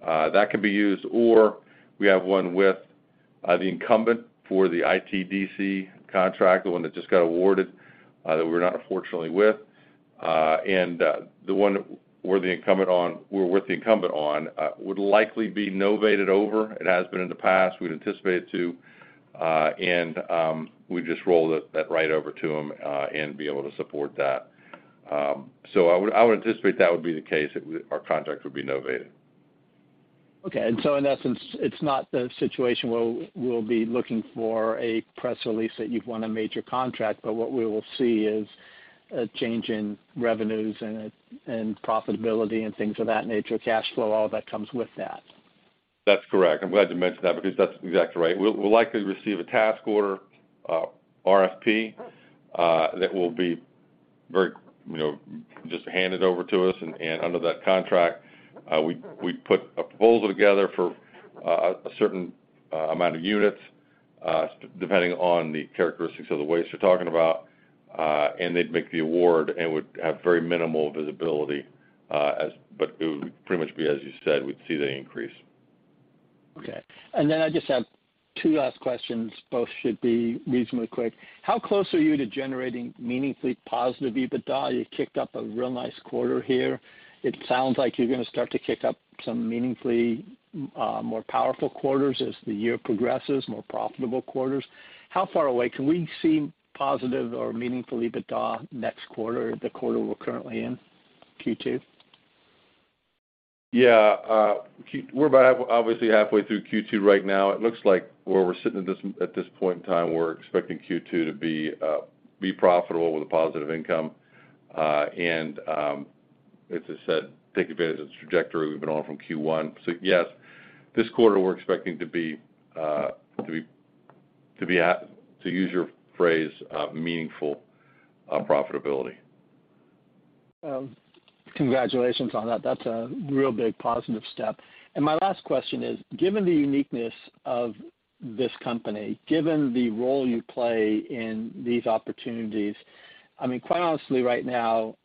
that can be used, or we have one with the incumbent for the ITDC contract, the one that just got awarded, that we're not unfortunately with. The one we're with the incumbent on would likely be novated over. It has been in the past, we'd anticipate it to, we just roll it, that right over to them, and be able to support that. I would anticipate that would be the case, if our contract would be novated. Okay. In essence, it's not the situation where we'll be looking for a press release that you've won a major contract, but what we will see is a change in revenues and profitability and things of that nature, cash flow, all that comes with that. That's correct. I'm glad you mentioned that because that's exactly right. We'll likely receive a task order, RFP, that will be very, you know, just handed over to us. Under that contract, we put a proposal together for a certain amount of units, depending on the characteristics of the waste you're talking about. They'd make the award and would have very minimal visibility, but it would pretty much be, as you said, we'd see the increase. Okay. I just have two last questions. Both should be reasonably quick. How close are you to generating meaningfully positive EBITDA? You kicked up a real nice quarter here. It sounds like you're gonna start to kick up some meaningfully more powerful quarters as the year progresses, more profitable quarters. How far away? Can we see positive or meaningful EBITDA next quarter, the quarter we're currently in, Q2? Yeah. We're about obviously halfway through Q2 right now. It looks like where we're sitting at this, at this point in time, we're expecting Q2 to be profitable with a positive income. And, as I said, take advantage of the trajectory we've been on from Q1. Yes, this quarter we're expecting to be at, to use your phrase, meaningful profitability. Congratulations on that. That's a real big positive step. My last question is, given the uniqueness of this company, given the role you play in these opportunities, I mean, quite honestly right now,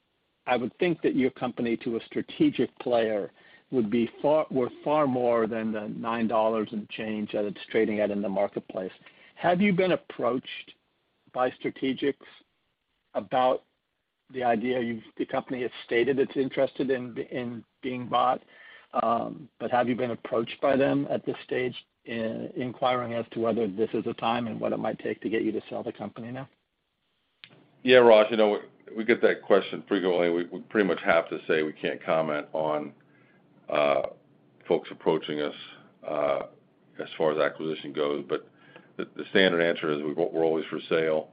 I would think that your company, to a strategic player, would be worth far more than the $9 and change that it's trading at in the marketplace. Have you been approached by strategics about the idea the company has stated it's interested in being bought, but have you been approached by them at this stage in inquiring as to whether this is a time and what it might take to get you to sell the company now? Yeah, Ross, you know, we get that question frequently. We pretty much have to say we can't comment on folks approaching us as far as acquisition goes, but the standard answer is we're always for sale.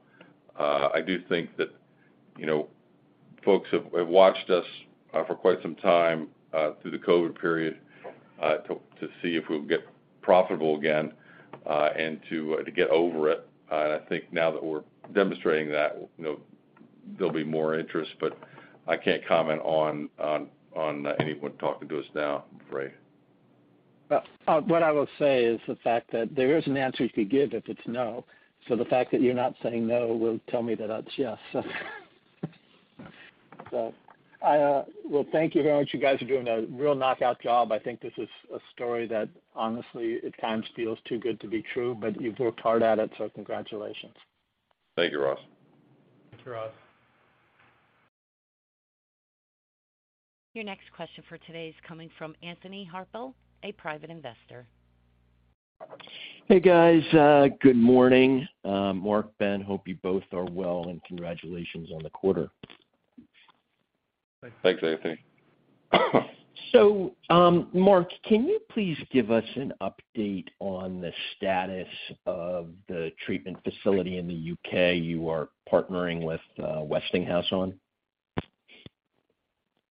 I do think that, you know, folks have watched us for quite some time through the COVID period to see if we'll get profitable again and to get over it. I think now that we're demonstrating that, you know, there'll be more interest. I can't comment on anyone talking to us now, Ray. What I will say is the fact that there is an answer you could give if it's no. The fact that you're not saying no will tell me that that's yes. I, well, thank you very much. You guys are doing a real knockout job. I think this is a story that honestly at times feels too good to be true, but you've worked hard at it, so congratulations. Thank you, Ross. Thank you, Ross. Your next question for today is coming from Anthony Harpel, a private investor. Hey, guys. good morning. Mark, Ben, hope you both are well, and congratulations on the quarter. Thanks, Anthony. Mark, can you please give us an update on the status of the treatment facility in the U.K. you are partnering with Westinghouse on?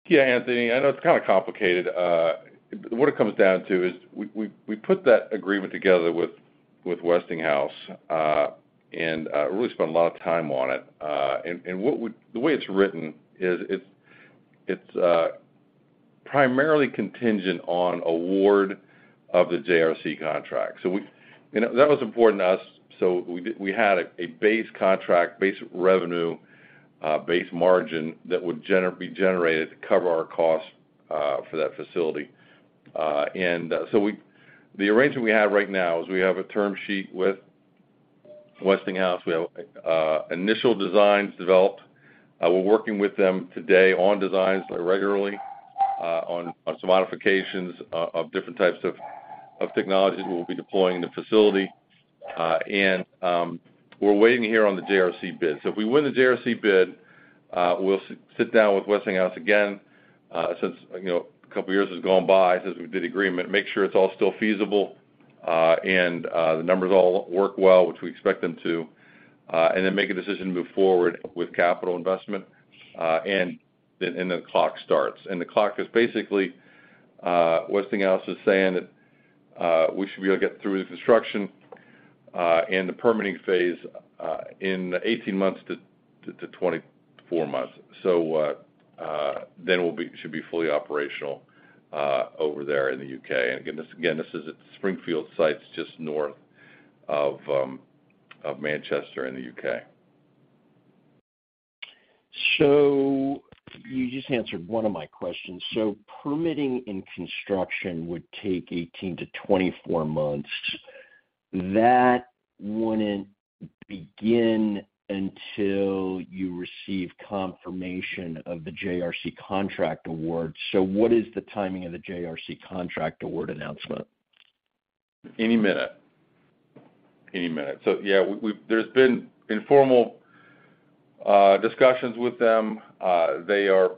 Yeah, Anthony. I know it's kind of complicated. What it comes down to is we put that agreement together with Westinghouse and really spent a lot of time on it. The way it's written is it's primarily contingent on award of the JRC contract. That was important to us, we had a base contract, base revenue, base margin that would be generated to cover our costs for that facility. The arrangement we have right now is we have a term sheet with Westinghouse. We have initial designs developed. We're working with them today on designs regularly on some modifications of different types of technologies we'll be deploying in the facility. We're waiting to hear on the JRC bid. If we win the JRC bid, we'll sit down with Westinghouse again, since, you know, a couple years has gone by since we did the agreement, make sure it's all still feasible, and the numbers all work well, which we expect them to, and then make a decision to move forward with capital investment. And then the clock starts. The clock is basically, Westinghouse is saying that we should be able to get through the construction and the permitting phase in 18 months to 24 months. Then we should be fully operational over there in the U.K. Again, this, again, this is at Springfields site. It's just north of Manchester in the U.K. You just answered one of my questions. Permitting and construction would take 18-24 months. That wouldn't begin until you receive confirmation of the JRC contract award. What is the timing of the JRC contract award announcement? Any minute. Any minute. Yeah, there's been informal discussions with them. They are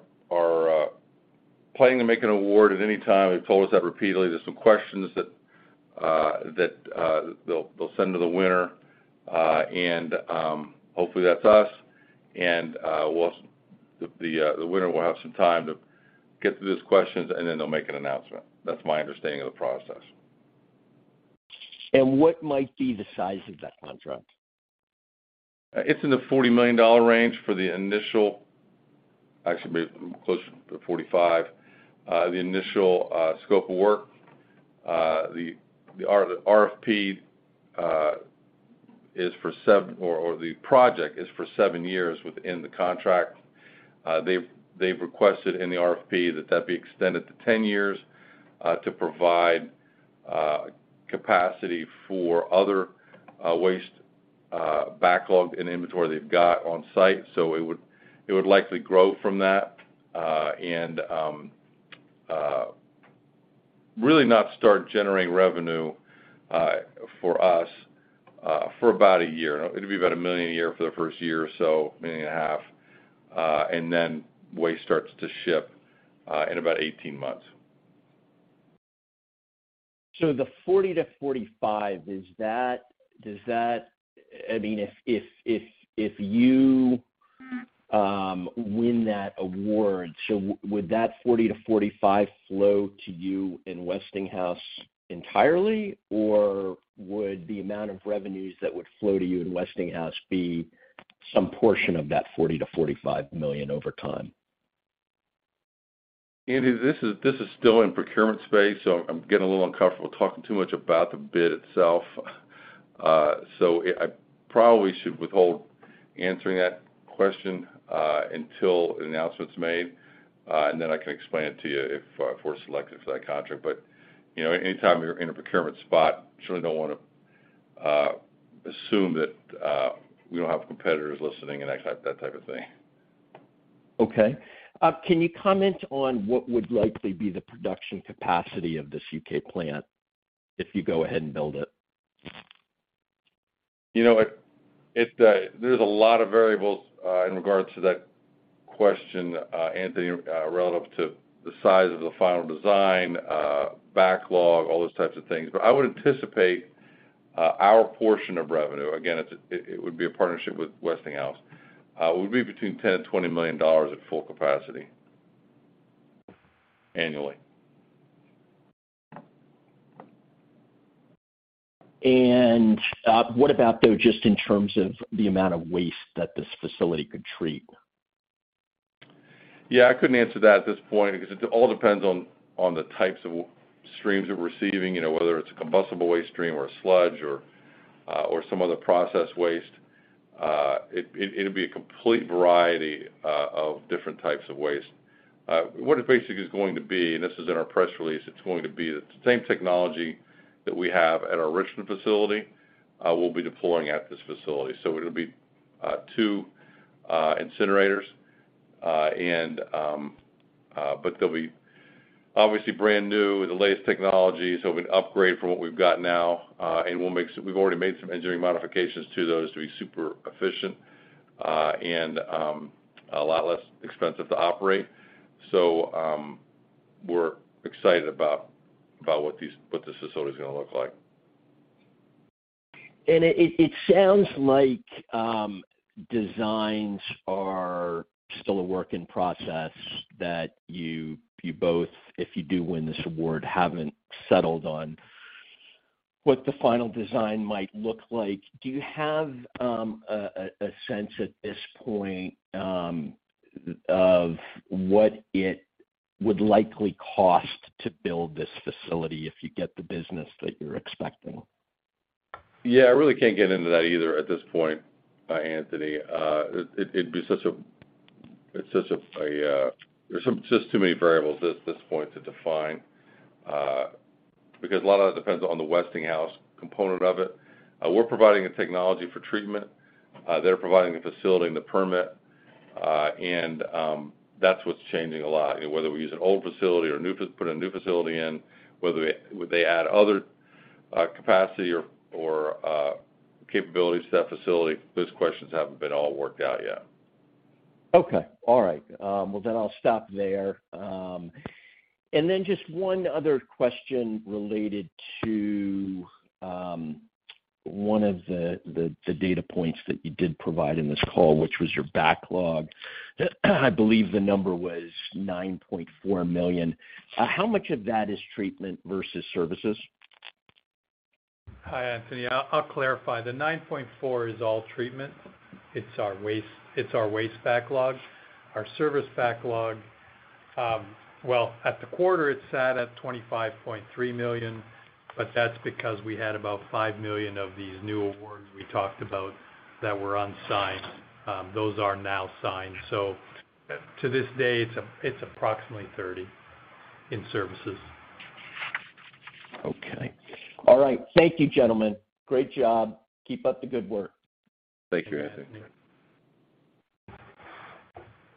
planning to make an award at any time. They've told us that repeatedly. There's some questions that they'll send to the winner, and hopefully that's us. The winner will have some time to get through those questions, and then they'll make an announcement. That's my understanding of the process. What might be the size of that contract? It's in the $40 million range for the initial. Actually, maybe closer to $45 million. The initial scope of work, the RFP, or the project is for seven years within the contract. They've requested in the RFP that that be extended to 10 years, to provide capacity for other waste backlog and inventory they've got on site. It would likely grow from that, and really not start generating revenue for us for about a year. It'll be about $1 million a year for the first year or so, a million and a half, and then waste starts to ship in about 18 months. The 40 to 45, is that I mean, if you win that award, so would that 40 to 45 flow to you and Westinghouse entirely? Would the amount of revenues that would flow to you and Westinghouse be some portion of that $40 million-$45 million over time? Anthony, this is still in procurement space. I'm getting a little uncomfortable talking too much about the bid itself. I probably should withhold answering that question until an announcement's made, and then I can explain it to you if we're selected for that contract. You know, any time you're in a procurement spot, you surely don't wanna assume that we don't have competitors listening and that type of thing. Okay. Can you comment on what would likely be the production capacity of this U.K. plant if you go ahead and build it? You know, it, there's a lot of variables, in regards to that question, Anthony, relative to the size of the final design, backlog, all those types of things. I would anticipate, our portion of revenue, again, it would be a partnership with Westinghouse, would be between $10 million and $20 million at full capacity annually. What about though, just in terms of the amount of waste that this facility could treat? Yeah, I couldn't answer that at this point because it all depends on the types of streams we're receiving, you know, whether it's a combustible waste stream or a sludge or some other process waste. It'll be a complete variety of different types of waste. What it basically is going to be, and this is in our press release, it's going to be the same technology that we have at our Richland facility, we'll be deploying at this facility. It'll be 2 incinerators. They'll be obviously brand new with the latest technology, it'll be an upgrade from what we've got now. We've already made some engineering modifications to those to be super efficient, and a lot less expensive to operate. We're excited about what these, what this facility is gonna look like. It sounds like designs are still a work in process that you both, if you do win this award, haven't settled on what the final design might look like. Do you have a sense at this point of what it would likely cost to build this facility if you get the business that you're expecting? Yeah, I really can't get into that either at this point, Anthony. It'd be such a, it's such a. Just too many variables at this point to define, because a lot of it depends on the Westinghouse component of it. We're providing the technology for treatment. They're providing the facility and the permit. That's what's changing a lot, you know, whether we use an old facility or put a new facility in, whether they add other capacity or capabilities to that facility. Those questions haven't been all worked out yet. Okay. All right. I'll stop there. Just one other question related to, one of the data points that you did provide in this call, which was your backlog. I believe the number was $9.4 million. How much of that is treatment versus services? Hi, Anthony. I'll clarify. The $9.4 is all treatment. It's our waste backlog. Our service backlog, well, at the quarter, it sat at $25.3 million, that's because we had about $5 million of these new awards we talked about that were unsigned. Those are now signed. To this day, it's approximately $30 million in services. Okay. All right. Thank you, gentlemen. Great job. Keep up the good work. Thank you, Anthony.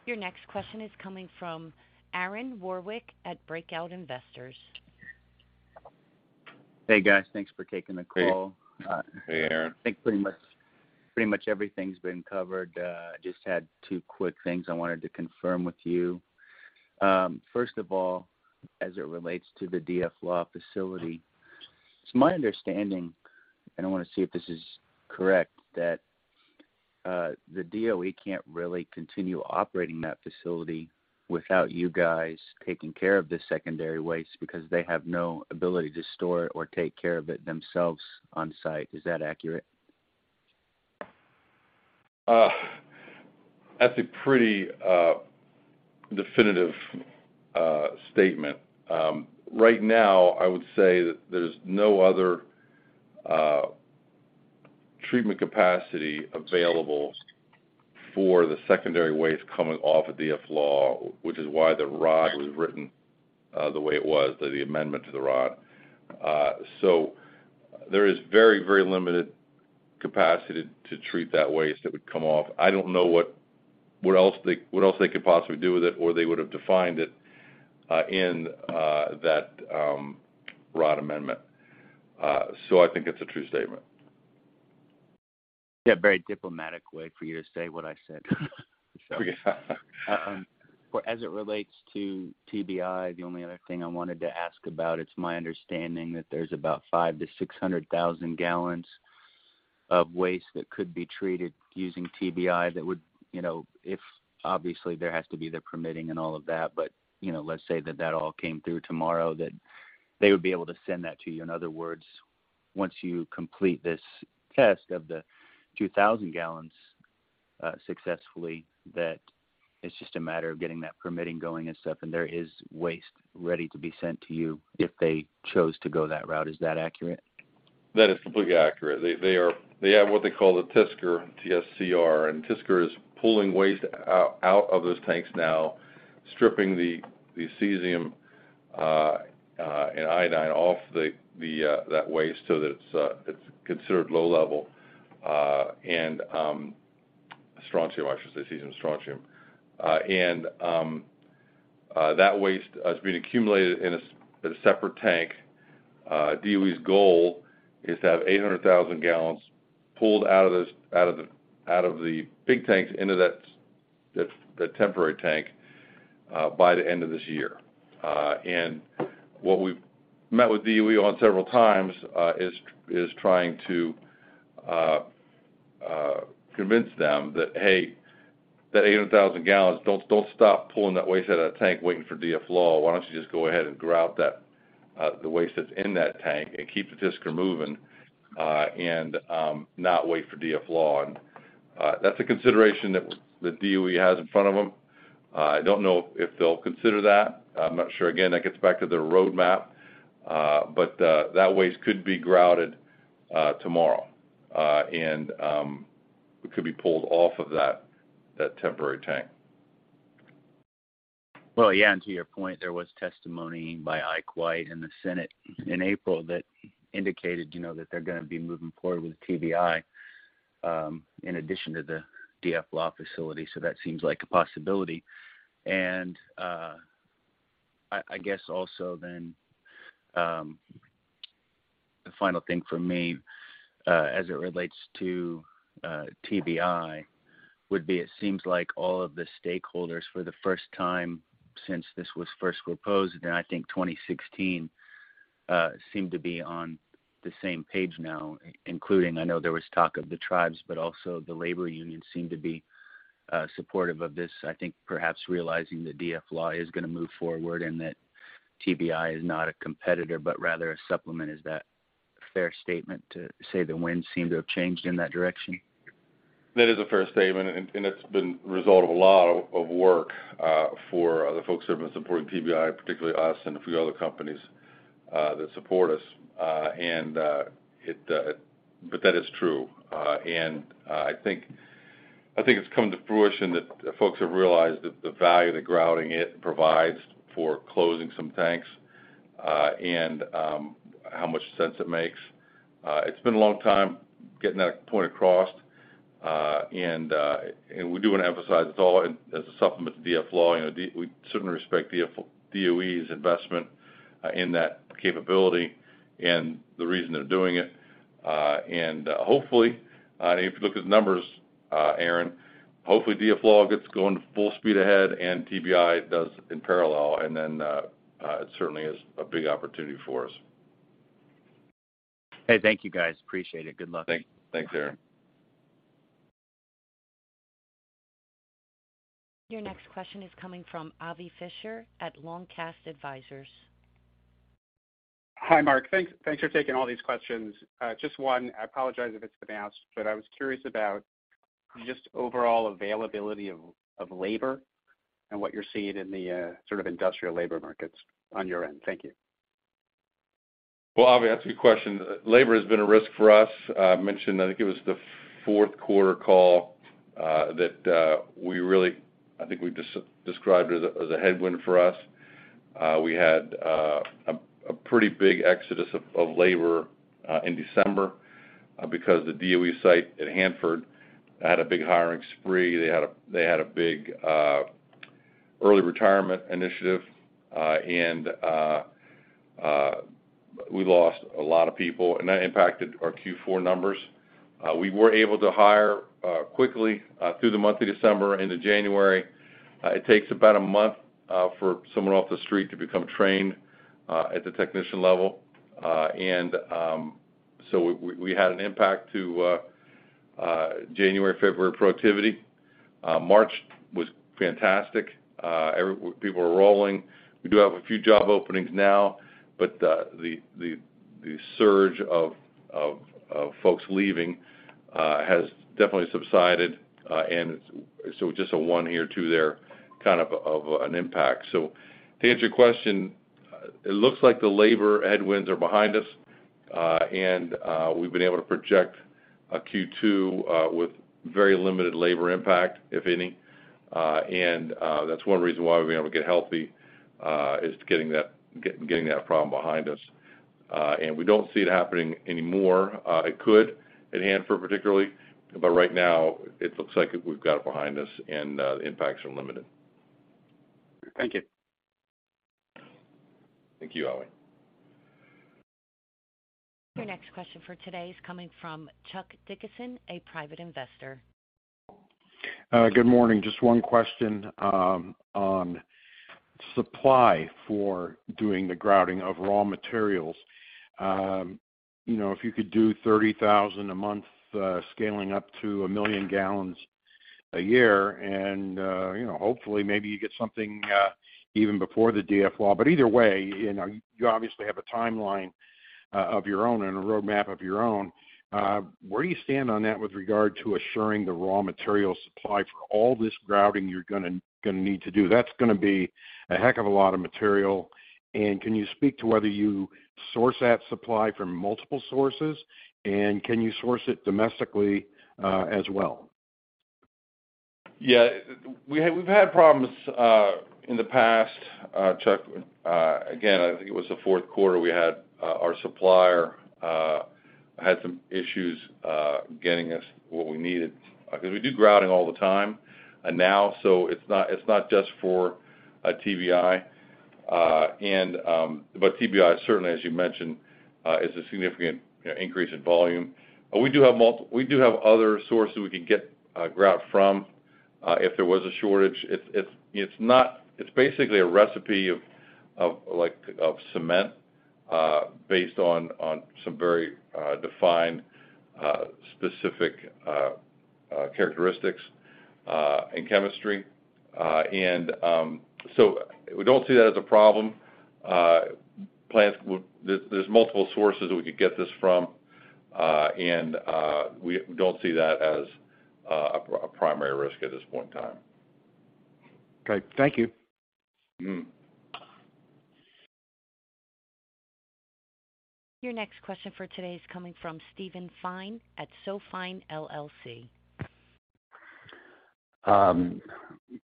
Your next question is coming from Aaron Warwick at Breakout Investors. Hey, guys. Thanks for taking the call. Hey, Aaron. I think pretty much everything's been covered. Just had 2 quick things I wanted to confirm with you. First of all, as it relates to the DFLAW facility, it's my understanding, and I want to see if this is correct, that the DOE can't really continue operating that facility without you guys taking care of the secondary waste because they have no ability to store it or take care of it themselves on site. Is that accurate? That's a pretty definitive statement. Right now, I would say that there's no other treatment capacity available for the secondary waste coming off of DFLAW, which is why the ROD was written the way it was, the amendment to the ROD. So there is very, very limited capacity to treat that waste that would come off. I don't know what else they could possibly do with it, or they would have defined it in that ROD amendment. So I think it's a true statement. Yeah, very diplomatic way for you to say what I said. Yeah. As it relates to TBI, the only other thing I wanted to ask about, it's my understanding that there's about 500,000-600,000 gallons of waste that could be treated using TBI that would, you know, obviously, there has to be the permitting and all of that. You know, let's say that that all came through tomorrow, that they would be able to send that to you. In other words, once you complete this test of the 2,000 gallons successfully, that it's just a matter of getting that permitting going and stuff, and there is waste ready to be sent to you if they chose to go that route. Is that accurate? That is completely accurate. They have what they call the TSCR, T-S-C-R. TSCR is pulling waste out of those tanks now, stripping the cesium and iodine off the that waste so that it's considered low level and strontium. I should say cesium and strontium. That waste is being accumulated in a separate tank. DOE's goal is to have 800,000 gallons pulled out of those big tanks into that temporary tank by the end of this year. What we've met with DOE on several times is trying to convince them that, "Hey, that 800,000 gallons, don't stop pulling that waste out of the tank waiting for DFLAW. Why don't you just go ahead and grout that, the waste that's in that tank and keep the TSCR moving, and, not wait for DFLAW? That's a consideration that DOE has in front of them. I don't know if they'll consider that. I'm not sure. Again, that gets back to the roadmap, that waste could be grouted, tomorrow, and, it could be pulled off of that temporary tank. Yeah, and to your point, there was testimony by Ike White in the Senate in April that indicated, you know, that they're gonna be moving forward with TBI in addition to the DFLAW facility. That seems like a possibility. I guess also then, the final thing for me, as it relates to, TBI would be, it seems like all of the stakeholders for the first time since this was first proposed, and I think 2016, seem to be on the same page now, including I know there was talk of the tribes, but also the labor union seem to be supportive of this. I think perhaps realizing that DFLAW is gonna move forward and that TBI is not a competitor but rather a supplement. Is that a fair statement to say the winds seem to have changed in that direction? That is a fair statement, and it's been the result of work for the folks who have been supporting TBI, particularly us and a few other companies that support us. But that is true. And I think it's come to fruition that the folks have realized that the value the grouting it provides for closing some tanks, and how much sense it makes. It's been a long time getting that point across. And we do want to emphasize it's all as a supplement to DFLAW. You know, We certainly respect DOE's investment in that capability and the reason they're doing it. Hopefully, if you look at the numbers, Aaron, hopefully DFLAW gets going full speed ahead and TBI does in parallel. It certainly is a big opportunity for us. Hey, thank you, guys. Appreciate it. Good luck. Thanks, Aaron. Your next question is coming from Avi Fisher at Longcast Advisors. Hi, Mark. Thanks for taking all these questions. Just one. I apologize if it's been asked, but I was curious about just overall availability of labor and what you're seeing in the sort of industrial labor markets on your end. Thank you. Avi, that's a good question. Labor has been a risk for us. I mentioned, I think it was the fourth quarter call that I think we described it as a headwind for us. We had a pretty big exodus of labor in December because the DOE site at Hanford had a big hiring spree. They had a big early retirement initiative. We lost a lot of people, and that impacted our Q4 numbers. We were able to hire quickly through the month of December into January. It takes about 1 month for someone off the street to become trained at the technician level. We had an impact to January, February productivity. March was fantastic. People were rolling. We do have a few job openings now, but the surge of folks leaving has definitely subsided. just a one here, two there kind of an impact. So to answer your question, it looks like the labor headwinds are behind us, and we've been able to project a Q2 with very limited labor impact, if any. that's one reason why we've been able to get healthy is getting that problem behind us. we don't see it happening anymore. it could at Hanford particularly, but right now it looks like we've got it behind us, and the impacts are limited. Thank you. Thank you, Avi. Your next question for today is coming from Chuck Dickerson, a private investor. Good morning. Just one question on supply for doing the grouting of raw materials. You know, if you could do 30,000 a month, scaling up to 1 million gallons a year and, you know, hopefully maybe you get something even before the DFLAW. Either way, you know, you obviously have a timeline of your own and a roadmap of your own. Where do you stand on that with regard to assuring the raw material supply for all this grouting you're gonna need to do? That's gonna be a heck of a lot of material. Can you speak to whether you source that supply from multiple sources? Can you source it domestically as well? Yeah. We've had problems in the past, Chuck. Again, I think it was the fourth quarter we had our supplier had some issues getting us what we needed. Because we do grouting all the time now, so it's not, it's not just for TBI. TBI certainly, as you mentioned, is a significant increase in volume. We do have other sources we can get grout from if there was a shortage. It's not. It's basically a recipe of cement, based on some very defined, specific characteristics and chemistry. We don't see that as a problem. There's multiple sources that we could get this from, and we don't see that as a primary risk at this point in time. Okay. Thank you. Mm-hmm. Your next question for today is coming from Steven Fine at Sofine LLC.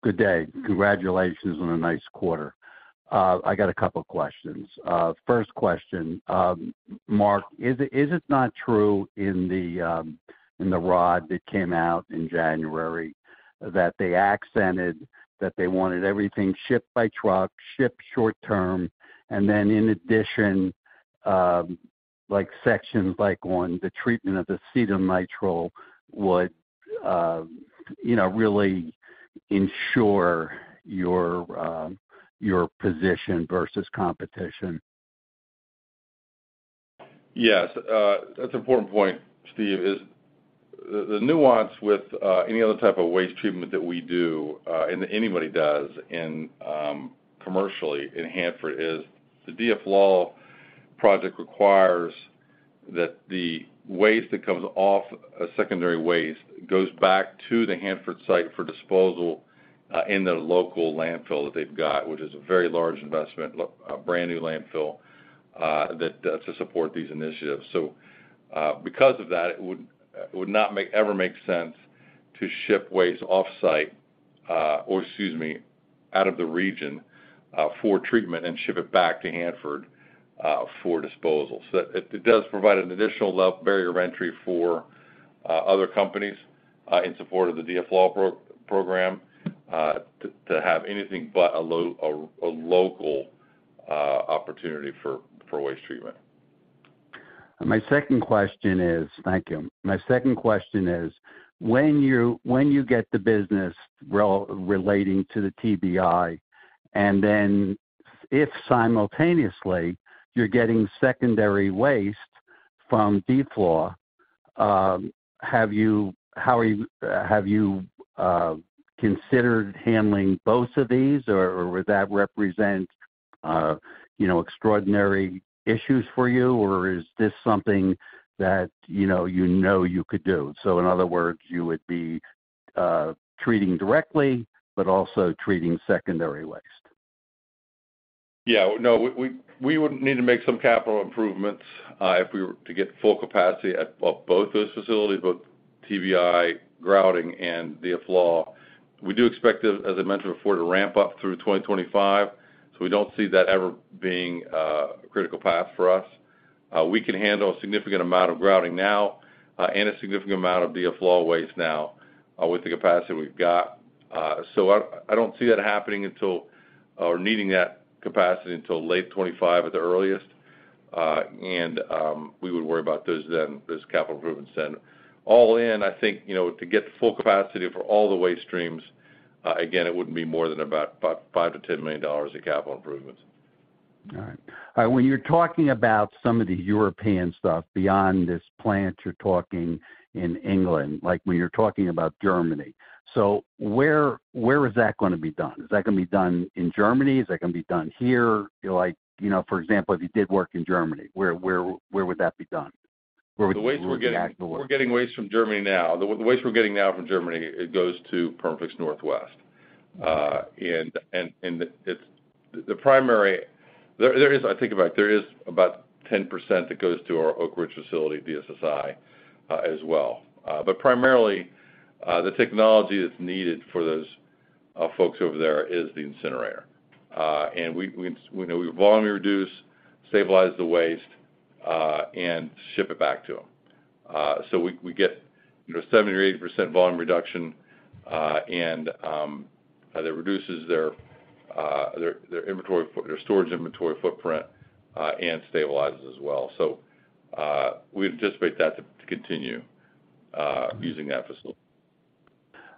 Good day. Congratulations on a nice quarter. I got 2 questions. First question, Mark, is it not true in the ROD that came out in January that they accented that they wanted everything shipped by truck, shipped short-term, in addition, like sections like on the treatment of acetonitrile would, you know, really ensure your position versus competition? Yes. That's an important point, Steven Fine. The nuance with any other type of waste treatment that we do and anybody does in commercially in Hanford is the DFLAW project requires that the waste that comes off as secondary waste goes back to the Hanford site for disposal in the local landfill that they've got, which is a very large investment, a brand new landfill to support these initiatives. Because of that, it would not ever make sense to ship waste off-site, or excuse me, out of the region for treatment and ship it back to Hanford for disposal. It does provide an additional barrier of entry for other companies in support of the DFLAW program to have anything but a local opportunity for waste treatment. My second question is. Thank you. My second question is, when you get the business re-relating to the TBI, and then if simultaneously you're getting secondary waste from DFLAW, have you considered handling both of these, or would that represent, you know, extraordinary issues for you? Is this something that, you know you could do? In other words, you would be treating directly, but also treating secondary waste. Yeah. No, we would need to make some capital improvements if we were to get full capacity at both those facilities, both TBI grouting and DFLAW. We do expect, as I mentioned before, to ramp up through 2025. We don't see that ever being a critical path for us. We can handle a significant amount of grouting now and a significant amount of DFLAW waste now with the capacity we've got. I don't see that happening until or needing that capacity until late 25 at the earliest. We would worry about those then, those capital improvements then. All in, I think, you know, to get the full capacity for all the waste streams, again, it wouldn't be more than about $5 million-$10 million of capital improvements. All right. When you're talking about some of the European stuff beyond this plant you're talking in England, like when you're talking about Germany, where is that gonna be done? Is that gonna be done in Germany? Is that gonna be done here? Like, you know, for example, if you did work in Germany, where would that be done? Where would the actual work? We're getting waste from Germany now. The waste we're getting now from Germany, it goes to Perma-Fix Northwest. It's... The primary... I take it back. There is about 10% that goes to our Oak Ridge facility, DSSI, as well. Primarily, the technology that's needed for those, folks over there is the incinerator. We know volume reduce, stabilize the waste, and ship it back to them. We get, you know, 70% or 80% volume reduction, and, it reduces their inventory, their storage inventory footprint, and stabilizes as well. We anticipate that to continue, using that facility.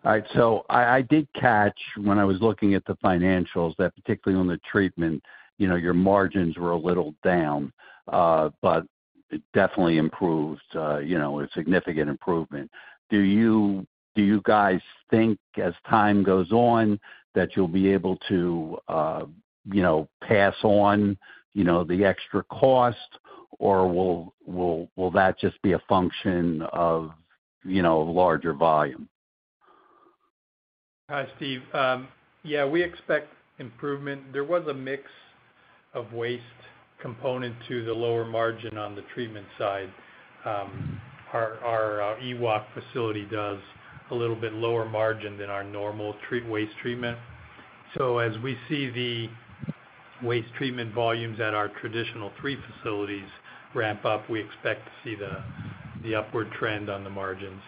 All right. I did catch when I was looking at the financials that particularly on the treatment, you know, your margins were a little down, but it definitely improved, you know, a significant improvement. Do you, do you guys think as time goes on, that you'll be able to, you know, pass on, you know, the extra cost or will that just be a function of, you know, larger volume? Hi, Steve. Yeah, we expect improvement. There was a mix of waste component to the lower margin on the treatment side. Our EWOC facility does a little bit lower margin than our normal waste treatment. As we see the waste treatment volumes at our traditional three facilities ramp up, we expect to see the upward trend on the margins.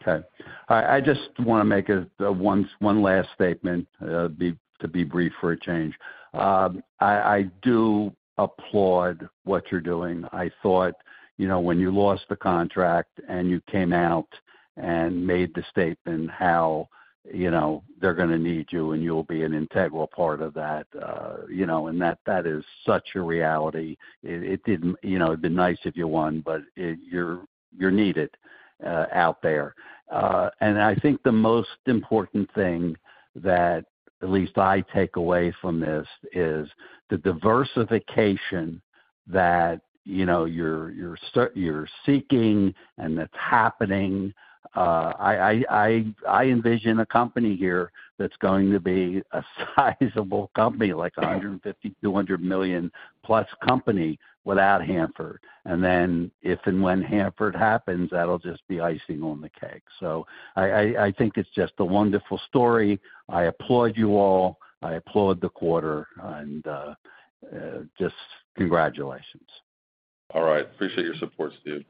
Okay. I just wanna make a one last statement, to be brief for a change. I do applaud what you're doing. I thought, you know, when you lost the contract and you came out and made the statement how, you know, they're gonna need you and you'll be an integral part of that, you know, and that is such a reality. You know, it'd be nice if you won, but you're needed out there. I think the most important thing that at least I take away from this is the diversification that, you know, you're seeking and it's happening. I, I envision a company here that's going to be a sizable company, like a $150 million-$200 million-plus company without Hanford. If and when Hanford happens, that'll just be icing on the cake. I think it's just a wonderful story. I applaud you all. I applaud the quarter and just congratulations. All right. Appreciate your support, Steve.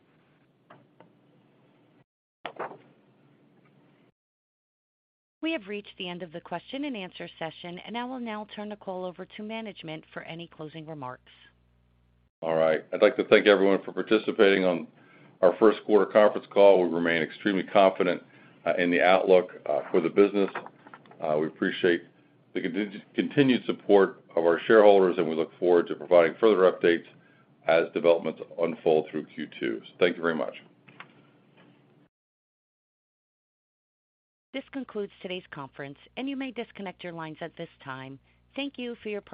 We have reached the end of the question and answer session. I will now turn the call over to management for any closing remarks. All right. I'd like to thank everyone for participating on our first quarter conference call. We remain extremely confident in the outlook for the business. We appreciate the continued support of our shareholders, and we look forward to providing further updates as developments unfold through Q two. Thank you very much. This concludes today's conference, and you may disconnect your lines at this time. Thank you for your participation.